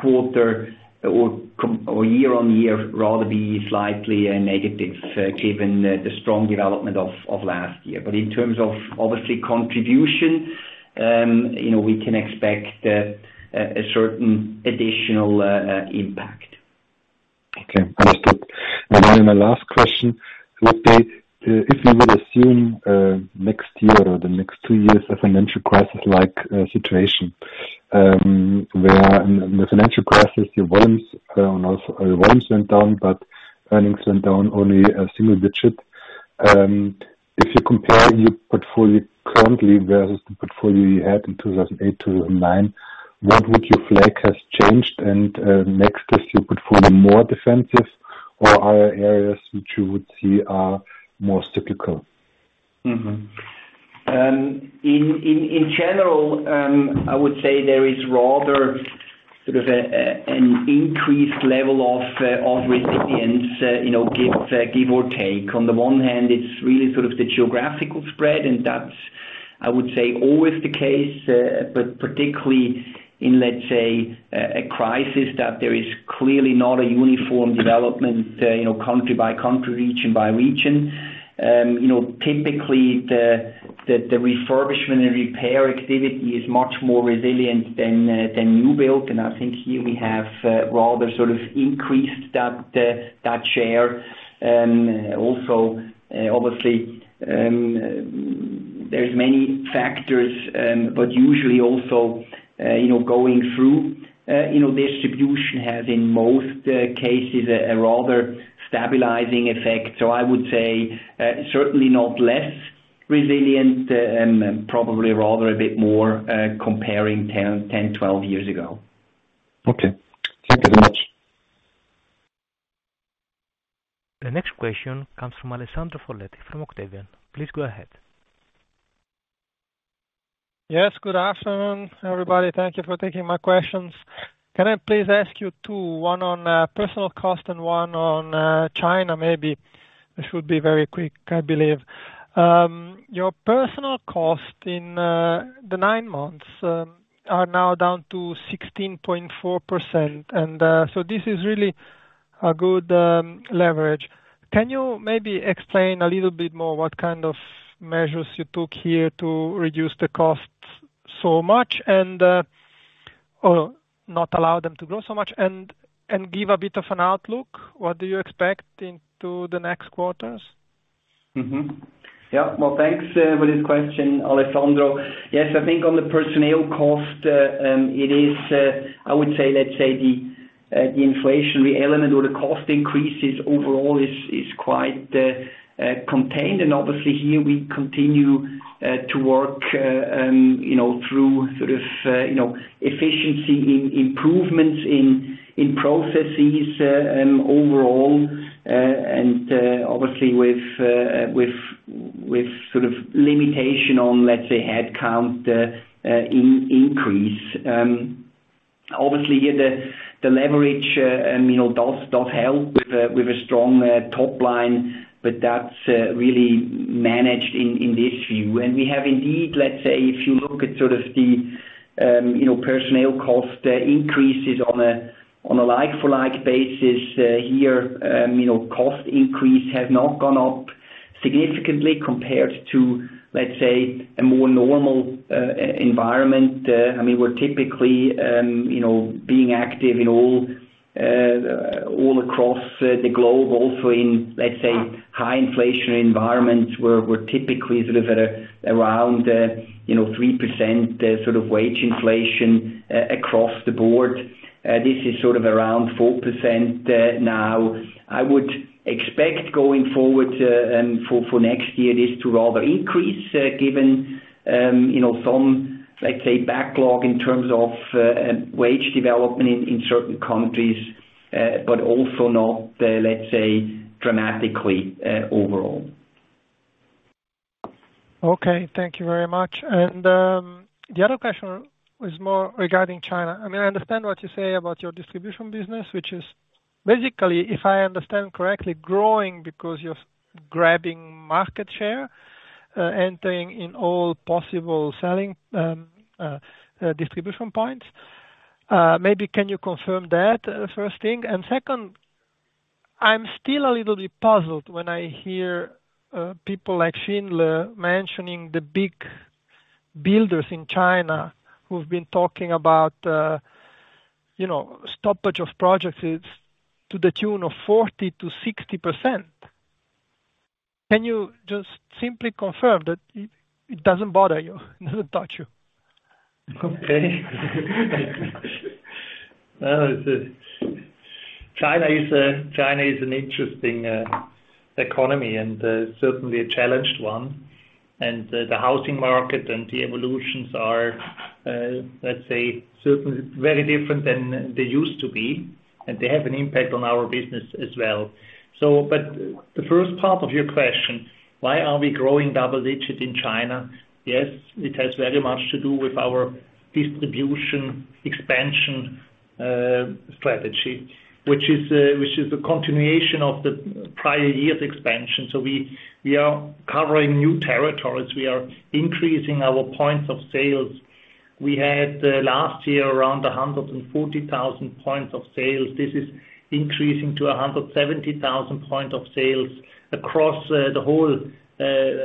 quarter or year-on-year rather be slightly negative given the strong development of last year. In terms of obviously contribution you know we can expect a certain additional impact. Okay. Understood. Then my last question would be, if you would assume next year or the next two years a financial crisis-like situation, where in the financial crisis your volumes went down, but earnings went down only a single digit. If you compare your portfolio currently versus the portfolio you had in 2008-09, what would you flag has changed and makes this your portfolio more defensive or are there areas which you would see are more cyclical? In general, I would say there is rather sort of an increased level of resilience, you know, give or take. On the one hand, it's really sort of the geographical spread, and that's, I would say, always the case, but particularly in, let's say, a crisis that there is clearly not a uniform development, you know, country by country, region by region. You know, typically the refurbishment and repair activity is much more resilient than new build. I think here we have rather sort of increased that share. Also, obviously, there's many factors, but usually also, you know, going through distribution has in most cases a rather stabilizing effect. I would say, certainly not less resilient, probably rather a bit more, comparing 10-12 years ago. Okay. Thank you very much. The next question comes from Alessandro Foletti from Octavian. Please go ahead. Yes, good afternoon, everybody. Thank you for taking my questions. Can I please ask you two, one on personnel cost and one on China maybe? It should be very quick, I believe. Your personnel cost in the nine months are now down to 16.4%. This is really a good leverage. Can you maybe explain a little bit more what kind of measures you took here to reduce the costs so much and or not allow them to grow so much and give a bit of an outlook? What do you expect in the next quarters? Mm-hmm. Yeah. Well, thanks for this question, Alessandro. Yes. I think on the personnel cost, it is, I would say, let's say the inflationary element or the cost increases overall is quite contained. Obviously here we continue to work, you know, through sort of, you know, efficiency improvements in processes overall, and obviously with sort of limitation on, let's say, headcount increase. Obviously, yeah, the leverage, you know, does help with a strong top line, but that's really managed in this view. We have indeed, let's say if you look at sort of the personnel cost increases on a like for like basis, here, cost increase has not gone up significantly compared to, let's say, a more normal environment. I mean, we're typically being active in all across the globe also in, let's say, high inflation environments where we're typically sort of around 3% sort of wage inflation across the board. This is sort of around 4%, now. I would expect going forward, for next year, this to rather increase, given some, let's say, backlog in terms of wage development in certain countries. Also not, let's say, dramatically overall. Okay, thank you very much. The other question is more regarding China. I mean, I understand what you say about your distribution business, which is basically, if I understand correctly, growing because you're grabbing market share, entering in all possible selling, distribution points. Maybe can you confirm that, first thing? Second, I'm still a little bit puzzled when I hear people like Schindler mentioning the big builders in China who've been talking about, you know, stoppage of projects to the tune of 40%-60%. Can you just simply confirm that it doesn't bother you? It doesn't touch you. China is an interesting economy, and certainly a challenged one. The housing market and the evolutions are, let's say, certainly very different than they used to be, and they have an impact on our business as well. But the first part of your question, why are we growing double digits in China? Yes, it has very much to do with our distribution expansion strategy, which is a continuation of the prior year's expansion. We are covering new territories. We are increasing our points of sales. We had last year around 140,000 points of sales. This is increasing to 170,000 point of sales across the whole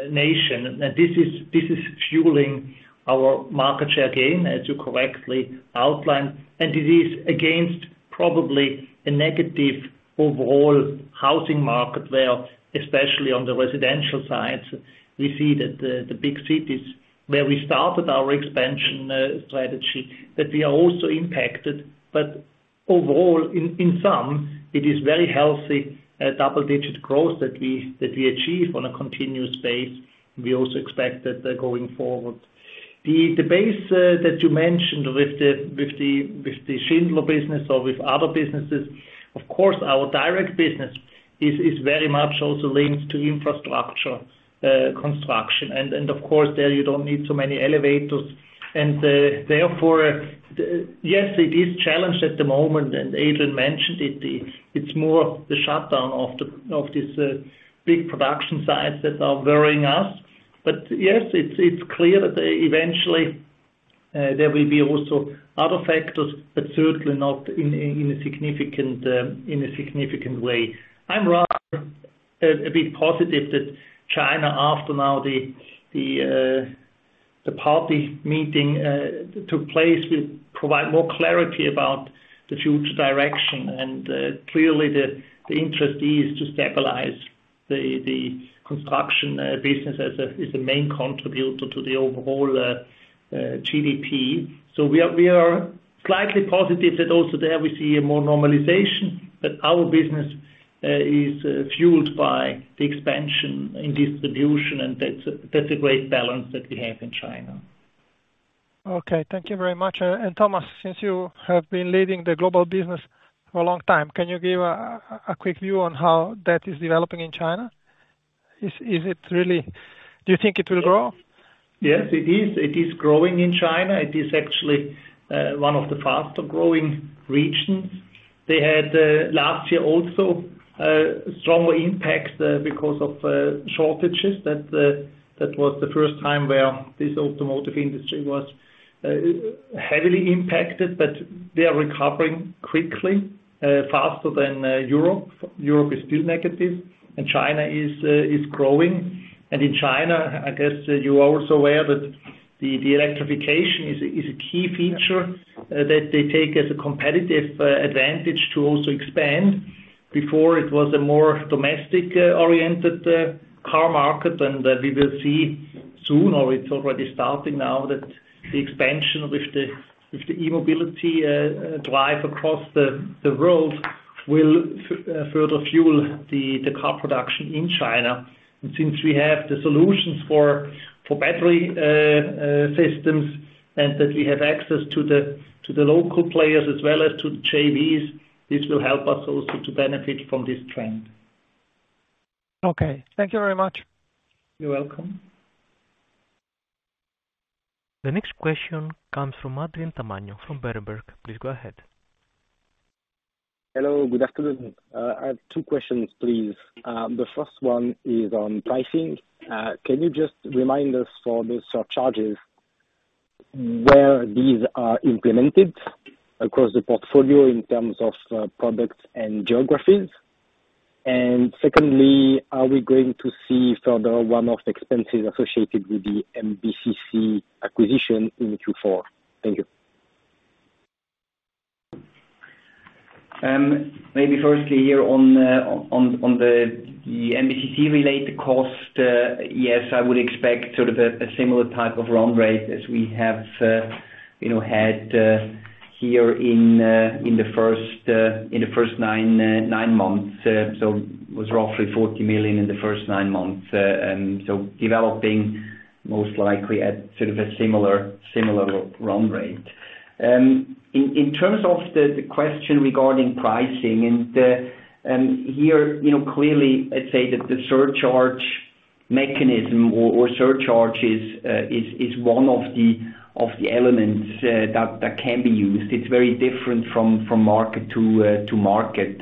nation. This is fueling our market share gain, as you correctly outlined. It is against probably a negative overall housing market where, especially on the residential side, we see that the big cities where we started our expansion strategy, that we are also impacted. Overall, in sum, it is very healthy double-digit growth that we achieve on a continuous basis. We also expect that going forward. The base that you mentioned with the Schindler business or with other businesses, of course, our direct business is very much also linked to infrastructure construction. Of course there you don't need so many elevators and therefore, yes, it is challenged at the moment, and Adrian mentioned it. It's more the shutdown of these big production sites that are worrying us. Yes, it's clear that eventually there will be also other factors, but certainly not in a significant way. I'm rather a bit positive that China, after now the party meeting took place, will provide more clarity about the future direction. Clearly the interest is to stabilize the construction business as a main contributor to the overall GDP. We are slightly positive that also there we see a more normalization, but our business is fueled by the expansion in distribution, and that's a great balance that we have in China. Okay, thank you very much. Thomas, since you have been leading the Global Business for a long time, can you give a quick view on how that is developing in China? Is it really? Do you think it will grow? Yes, it is. It is growing in China. It is actually one of the faster-growing regions. They had last year also stronger impacts because of shortages. That was the first time where this automotive industry was heavily impacted, but they are recovering quickly, faster than Europe. Europe is still negative, and China is growing. In China, I guess you're also aware that the electrification is a key feature that they take as a competitive advantage to also expand. Before it was a more domestic-oriented car market, and we will see soon, or it's already starting now, that the expansion with the e-mobility drive across the world will further fuel the car production in China. Since we have the solutions for battery systems and that we have access to the local players as well as to the JVs, this will help us also to benefit from this trend. Okay. Thank you very much. You're welcome. The next question comes from Adrien Tamagnone from Berenberg. Please go ahead. Hello. Good afternoon. I have two questions, please. The first one is on pricing. Can you just remind us for the surcharges where these are implemented across the portfolio in terms of, products and geographies? Secondly, are we going to see further one-off expenses associated with the MBCC acquisition in Q4? Thank you. Maybe firstly here on the MBCC-related cost, yes, I would expect sort of a similar type of run rate as we have, you know, had here in the first nine months. So it was roughly 40 million in the first nine months. Developing Most likely at sort of a similar run rate. In terms of the question regarding pricing and, you know, clearly, I'd say that the surcharge mechanism or surcharges is one of the elements that can be used. It's very different from market to market.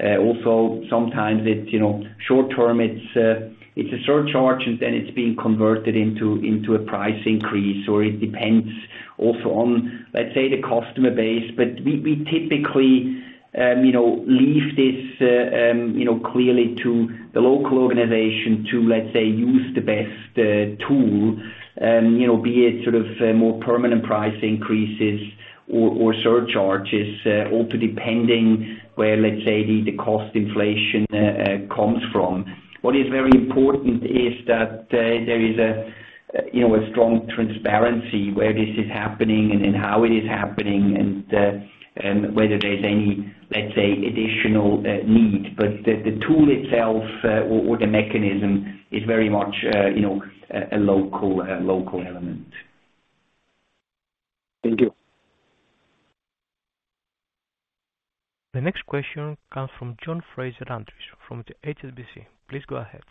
Also sometimes it's, you know, short term, it's a surcharge, and then it's being converted into a price increase, or it depends also on, let's say, the customer base. We typically, you know, leave this, you know, clearly to the local organization to, let's say, use the best tool, you know, be it sort of more permanent price increases or surcharges, also depending where, let's say, the cost inflation comes from. What is very important is that there is, you know, a strong transparency where this is happening and how it is happening and whether there's any, let's say, additional need. But the tool itself or the mechanism is very much, you know, a local element. Thank you. The next question comes from John Fraser-Andrews from the HSBC. Please go ahead.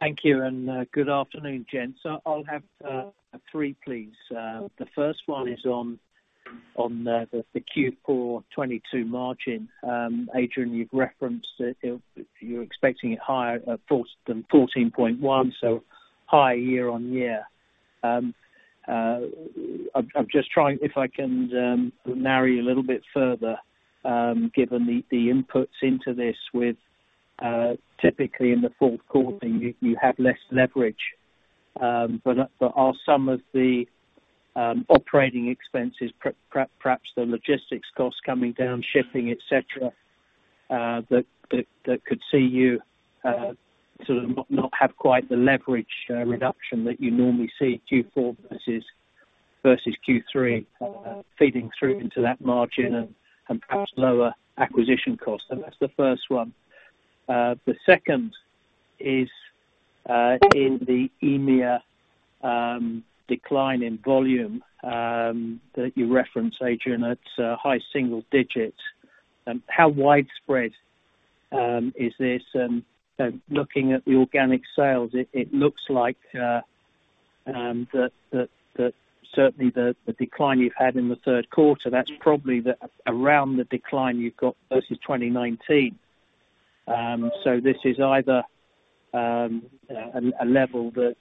Thank you and good afternoon, gents. I'll have three please. The first one is on the Q4 2022 margin. Adrian, you've referenced it, you're expecting it higher than 14.1%, so higher year-on-year. I'm just trying if I can narrow you a little bit further, given the inputs into this with typically in the Q4, you have less leverage. But are some of the operating expenses, perhaps the logistics costs coming down, shipping, et cetera, that could see you sort of not have quite the leverage reduction that you normally see Q4 versus Q3, feeding through into that margin and perhaps lower acquisition costs? That's the first one. The second is in the EMEA decline in volume that you referenced, Adrian. It's high single digits. How widespread is this? Looking at the organic sales it looks like that certainly the decline you've had in the Q3, that's probably around the decline you've got versus 2019. So, this is either a level that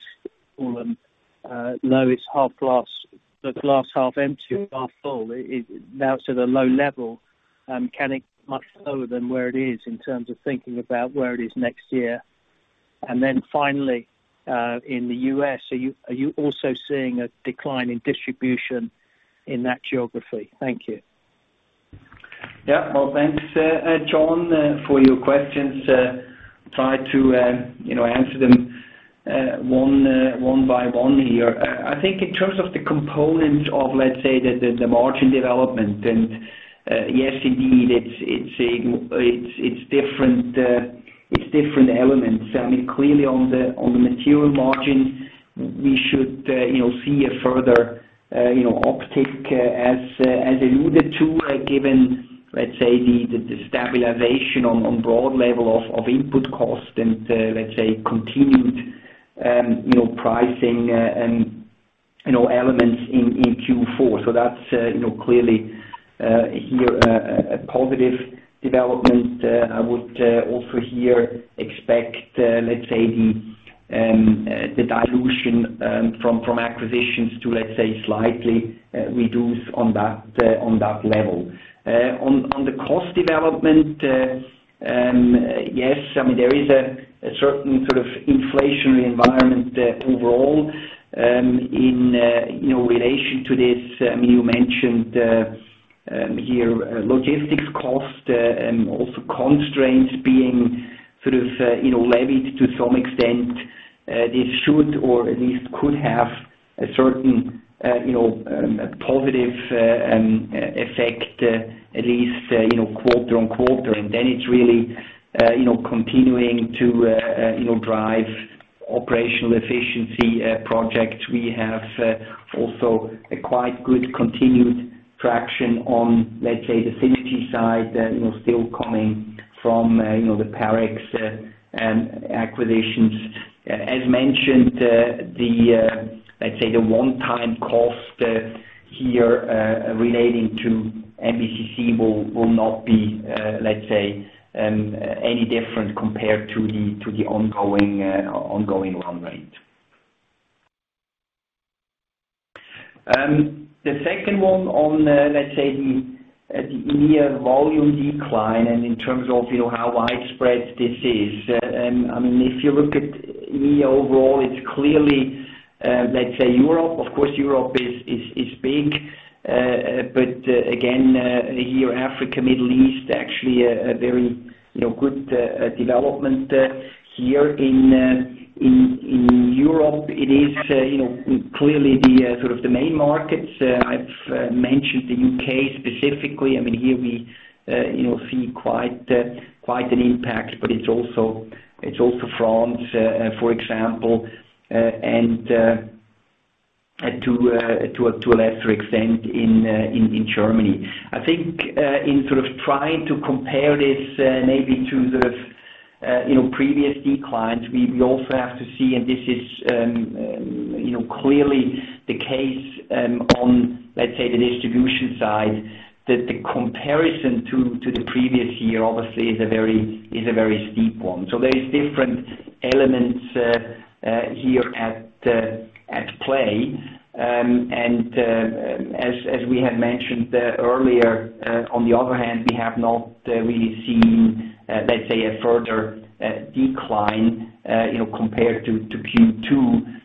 the glass is half empty or half full. It's now at the low level; can it go much lower than where it is in terms of thinking about where it is next year. Then finally, in the US, are you also seeing a decline in distribution in that geography? Thank you. Yeah. Well, thanks, John, for your questions. Try to you know answer them one by one here. I think in terms of the component of, let's say, the margin development, and yes, indeed, it's different elements. I mean, clearly on the material margin, we should you know see a further you know uptick as alluded to, given, let's say, the stabilization on broad level of input costs and let's say continued you know pricing and you know elements in Q4. That's you know clearly here a positive development. I would also here expect, let's say the dilution from acquisitions to, let's say, slightly reduce on that level. On the cost development, yes, I mean, there is a certain sort of inflationary environment overall, in you know, relation to this. I mean, you mentioned here logistics costs, and also constraints being sort of you know, levied to some extent. This should or at least could have a certain you know, positive effect, at least you know, quarter- on- quarter. Then it's really you know, continuing to you know, drive operational efficiency projects. We have also a quite good, continued traction on, let's say, the synergy side, you know, still coming from, you know, the Parex acquisitions. As mentioned, let's say, the one-time cost here relating to MBCC will not be, let's say, any different compared to the ongoing run rate. The second one on, let's say, the EMEA volume decline and in terms of, you know, how widespread this is. I mean, if you look at EMEA overall, it's clearly, let's say, Europe, of course, Europe is big. But again, here Africa, Middle East, actually a very, you know, good development here. In Europe it is, you know, clearly the sort of the main markets. I've mentioned the U.K. specifically. I mean, here we, you know, see quite an impact, but it's also France, for example. To a lesser extent in Germany. I think in sort of trying to compare this, maybe to the, you know, previous declines, we also have to see, and this is, you know, clearly the case on, let's say, the distribution side that the comparison to the previous year obviously is a very steep one. There is different elements here at play. As we had mentioned earlier, on the other hand, we have not really seen, let's say, a further decline, you know, compared to Q2.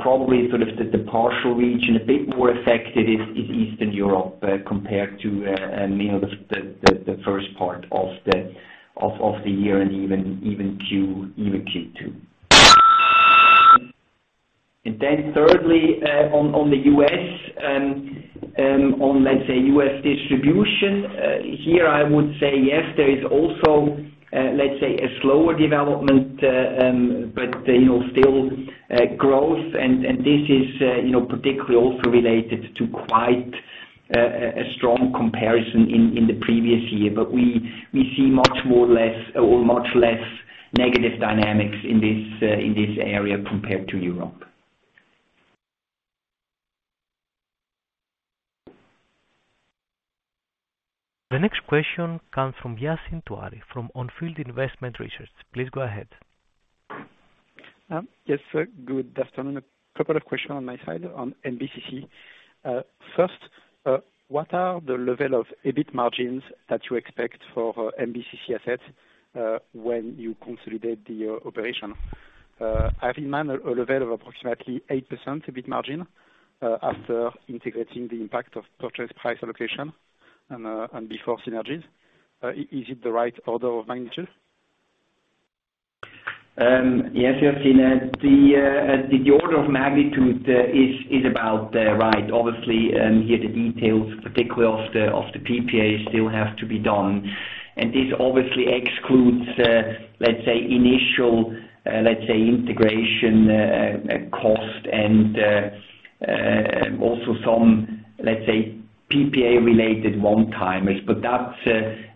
Probably the particular region a bit more affected is Eastern Europe, compared to, you know, the first part of the year and even Q2. Then thirdly, on the US distribution. Here, I would say yes, there is also, let's say, a slower development, but, you know, still growth. This is, you know, particularly also related to quite a strong comparison in the previous year. We see much less negative dynamics in this area compared to Europe. The next question comes from Yassine Touahri from On Field Investment Research. Please go ahead. Yes, good afternoon. A couple of questions on my side on MBCC. First, what are the level of EBIT margins that you expect for MBCC assets, when you consolidate the operation? I remind a level of approximately 8% EBIT margin, after integrating the impact of purchase price allocation and before synergies. Is it the right order of magnitude? Yes, Yassine. The order of magnitude is about right. Obviously, here the details particularly of the PPA still have to be done, and this obviously excludes let's say initial integration cost and also some let's say PPA related one-timers. That's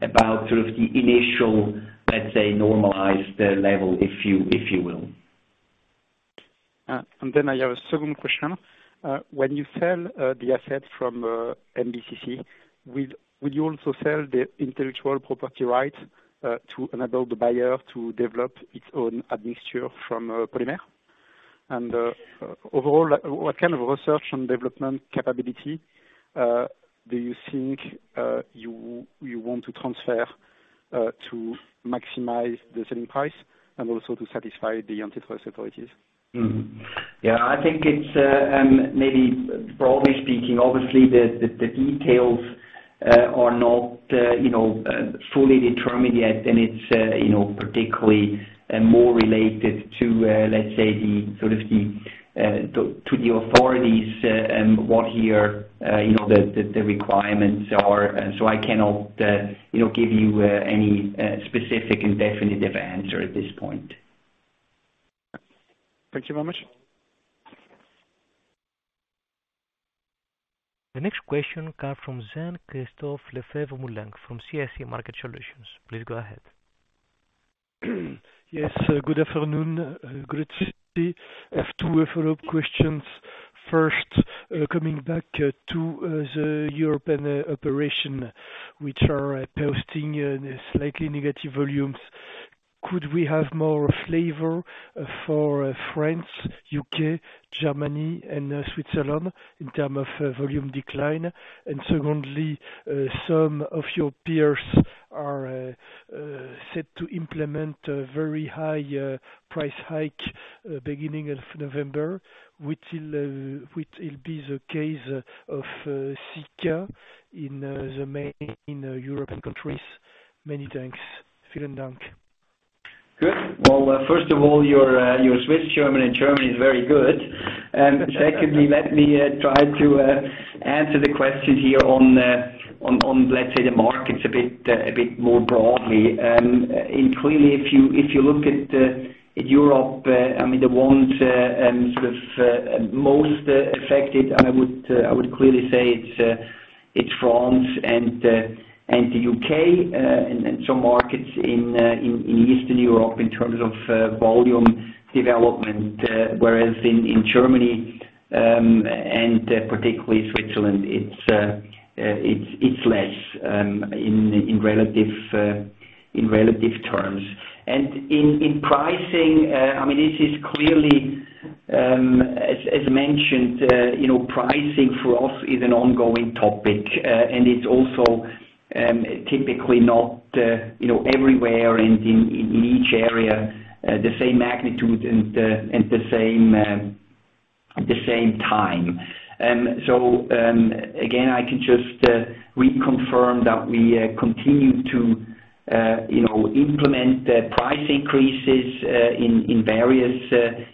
about sort of the initial let's say normalized level, if you will. I have a second question. When you sell the assets from MBCC, will you also sell the intellectual property rights to enable the buyer to develop its own admixture from Polymer? Overall, what kind of research and development capability do you think you want to transfer to maximize the selling price and also to satisfy the antitrust authorities? Yeah, I think it's maybe broadly speaking, obviously the details are not you know fully determined yet. It's you know particularly more related to let's say the sort of to the authorities what here you know the requirements are. I cannot you know give you any specific and definitive answer at this point. Thank you very much. The next question comes from Jean-Christophe Lefèvre-Moulenq from CIC Market Solutions. Please go ahead. Yes, good afternoon. Good, I have two follow-up questions. First, coming back to the European operation, which are posting slightly negative volumes. Could we have more flavor for France, U.K., Germany, and Switzerland in terms of volume decline? Secondly, some of your peers are set to implement a very high price hike beginning of November, which will be the case of Sika in the main European countries. Many thanks. Vielen Dank. Good. Well, first of all, your Swiss German and German is very good. Secondly, let me try to answer the question here on, let's say, the markets a bit more broadly. Clearly, if you look at Europe, I mean, the ones sort of most affected, I would clearly say it's France and the UK and some markets in Eastern Europe in terms of volume development. Whereas in Germany and particularly Switzerland, it's less in relative terms. In pricing, I mean, this is clearly, as mentioned, you know, pricing for us is an ongoing topic. It's also typically not, you know, everywhere and in each area the same magnitude and the same time. Again, I can just reconfirm that we, you know, implement the price increases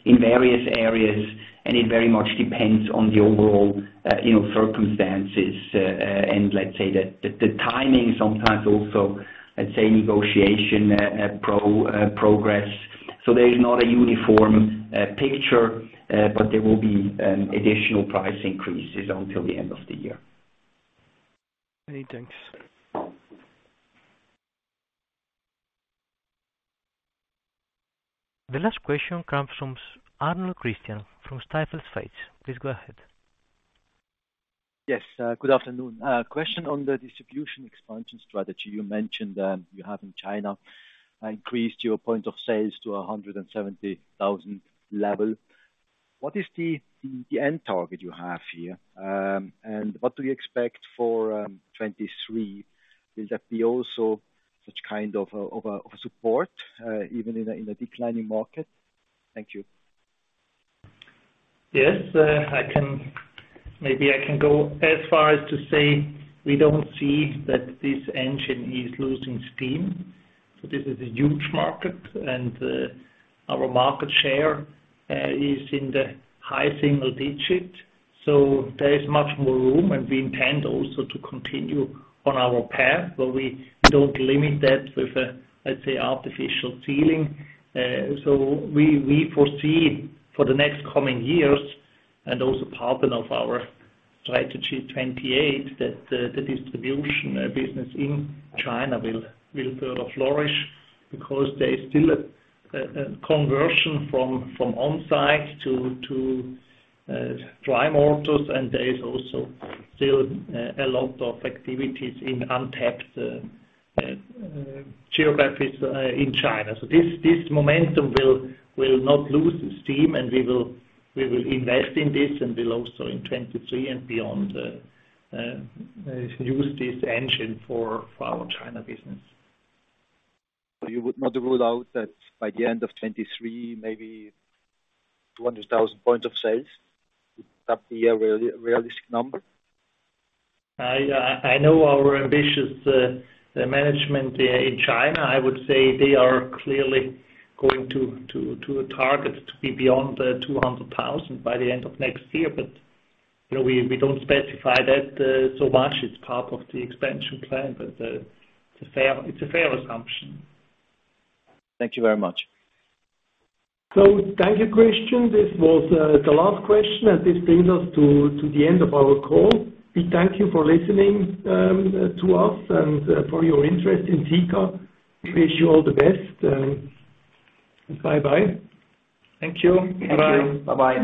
in various areas, and it very much depends on the overall, you know, circumstances. Let's say that the timing sometimes also, let's say, negotiation progress. There is not a uniform picture, but there will be additional price increases until the end of the year. Many thanks. The last question comes from Christian Arnold from Stifel Schweiz. Please go ahead. Yes, good afternoon. Question on the distribution expansion strategy. You mentioned you have in China increased your points of sale to 170,000 level. What is the end target you have here? And what do you expect for 2023? Will that be also such kind of a support even in a declining market? Thank you. Yes, maybe I can go as far as to say we don't see that this engine is losing steam. This is a huge market and, our market share, is in the high single digits. There is much more room, and we intend also to continue on our path, but we don't limit that with a, let's say, artificial ceiling. We foresee for the next coming years, and also part of our Strategy 2028, that the distribution business in China will further flourish because there is still a conversion from on-site to dry mortars, and there is also still a lot of activities in untapped geographies in China. This momentum will not lose steam, and we will invest in this and will also in 2023 and beyond, use this engine for our China business. You would not rule out that by the end of 2023, maybe 200,000 points of sale, is that for the year a real, realistic number? I know our ambitious management in China. I would say they are clearly going to a target to be beyond the 200,000 by the end of next year. You know, we don't specify that so much. It's part of the expansion plan, but it's a fair assumption. Thank you very much. Thank you, Christine. This was the last question, and this brings us to the end of our call. We thank you for listening to us and for your interest in Sika. We wish you all the best, bye-bye. Thank you. Bye-bye. Thank you. Bye-bye.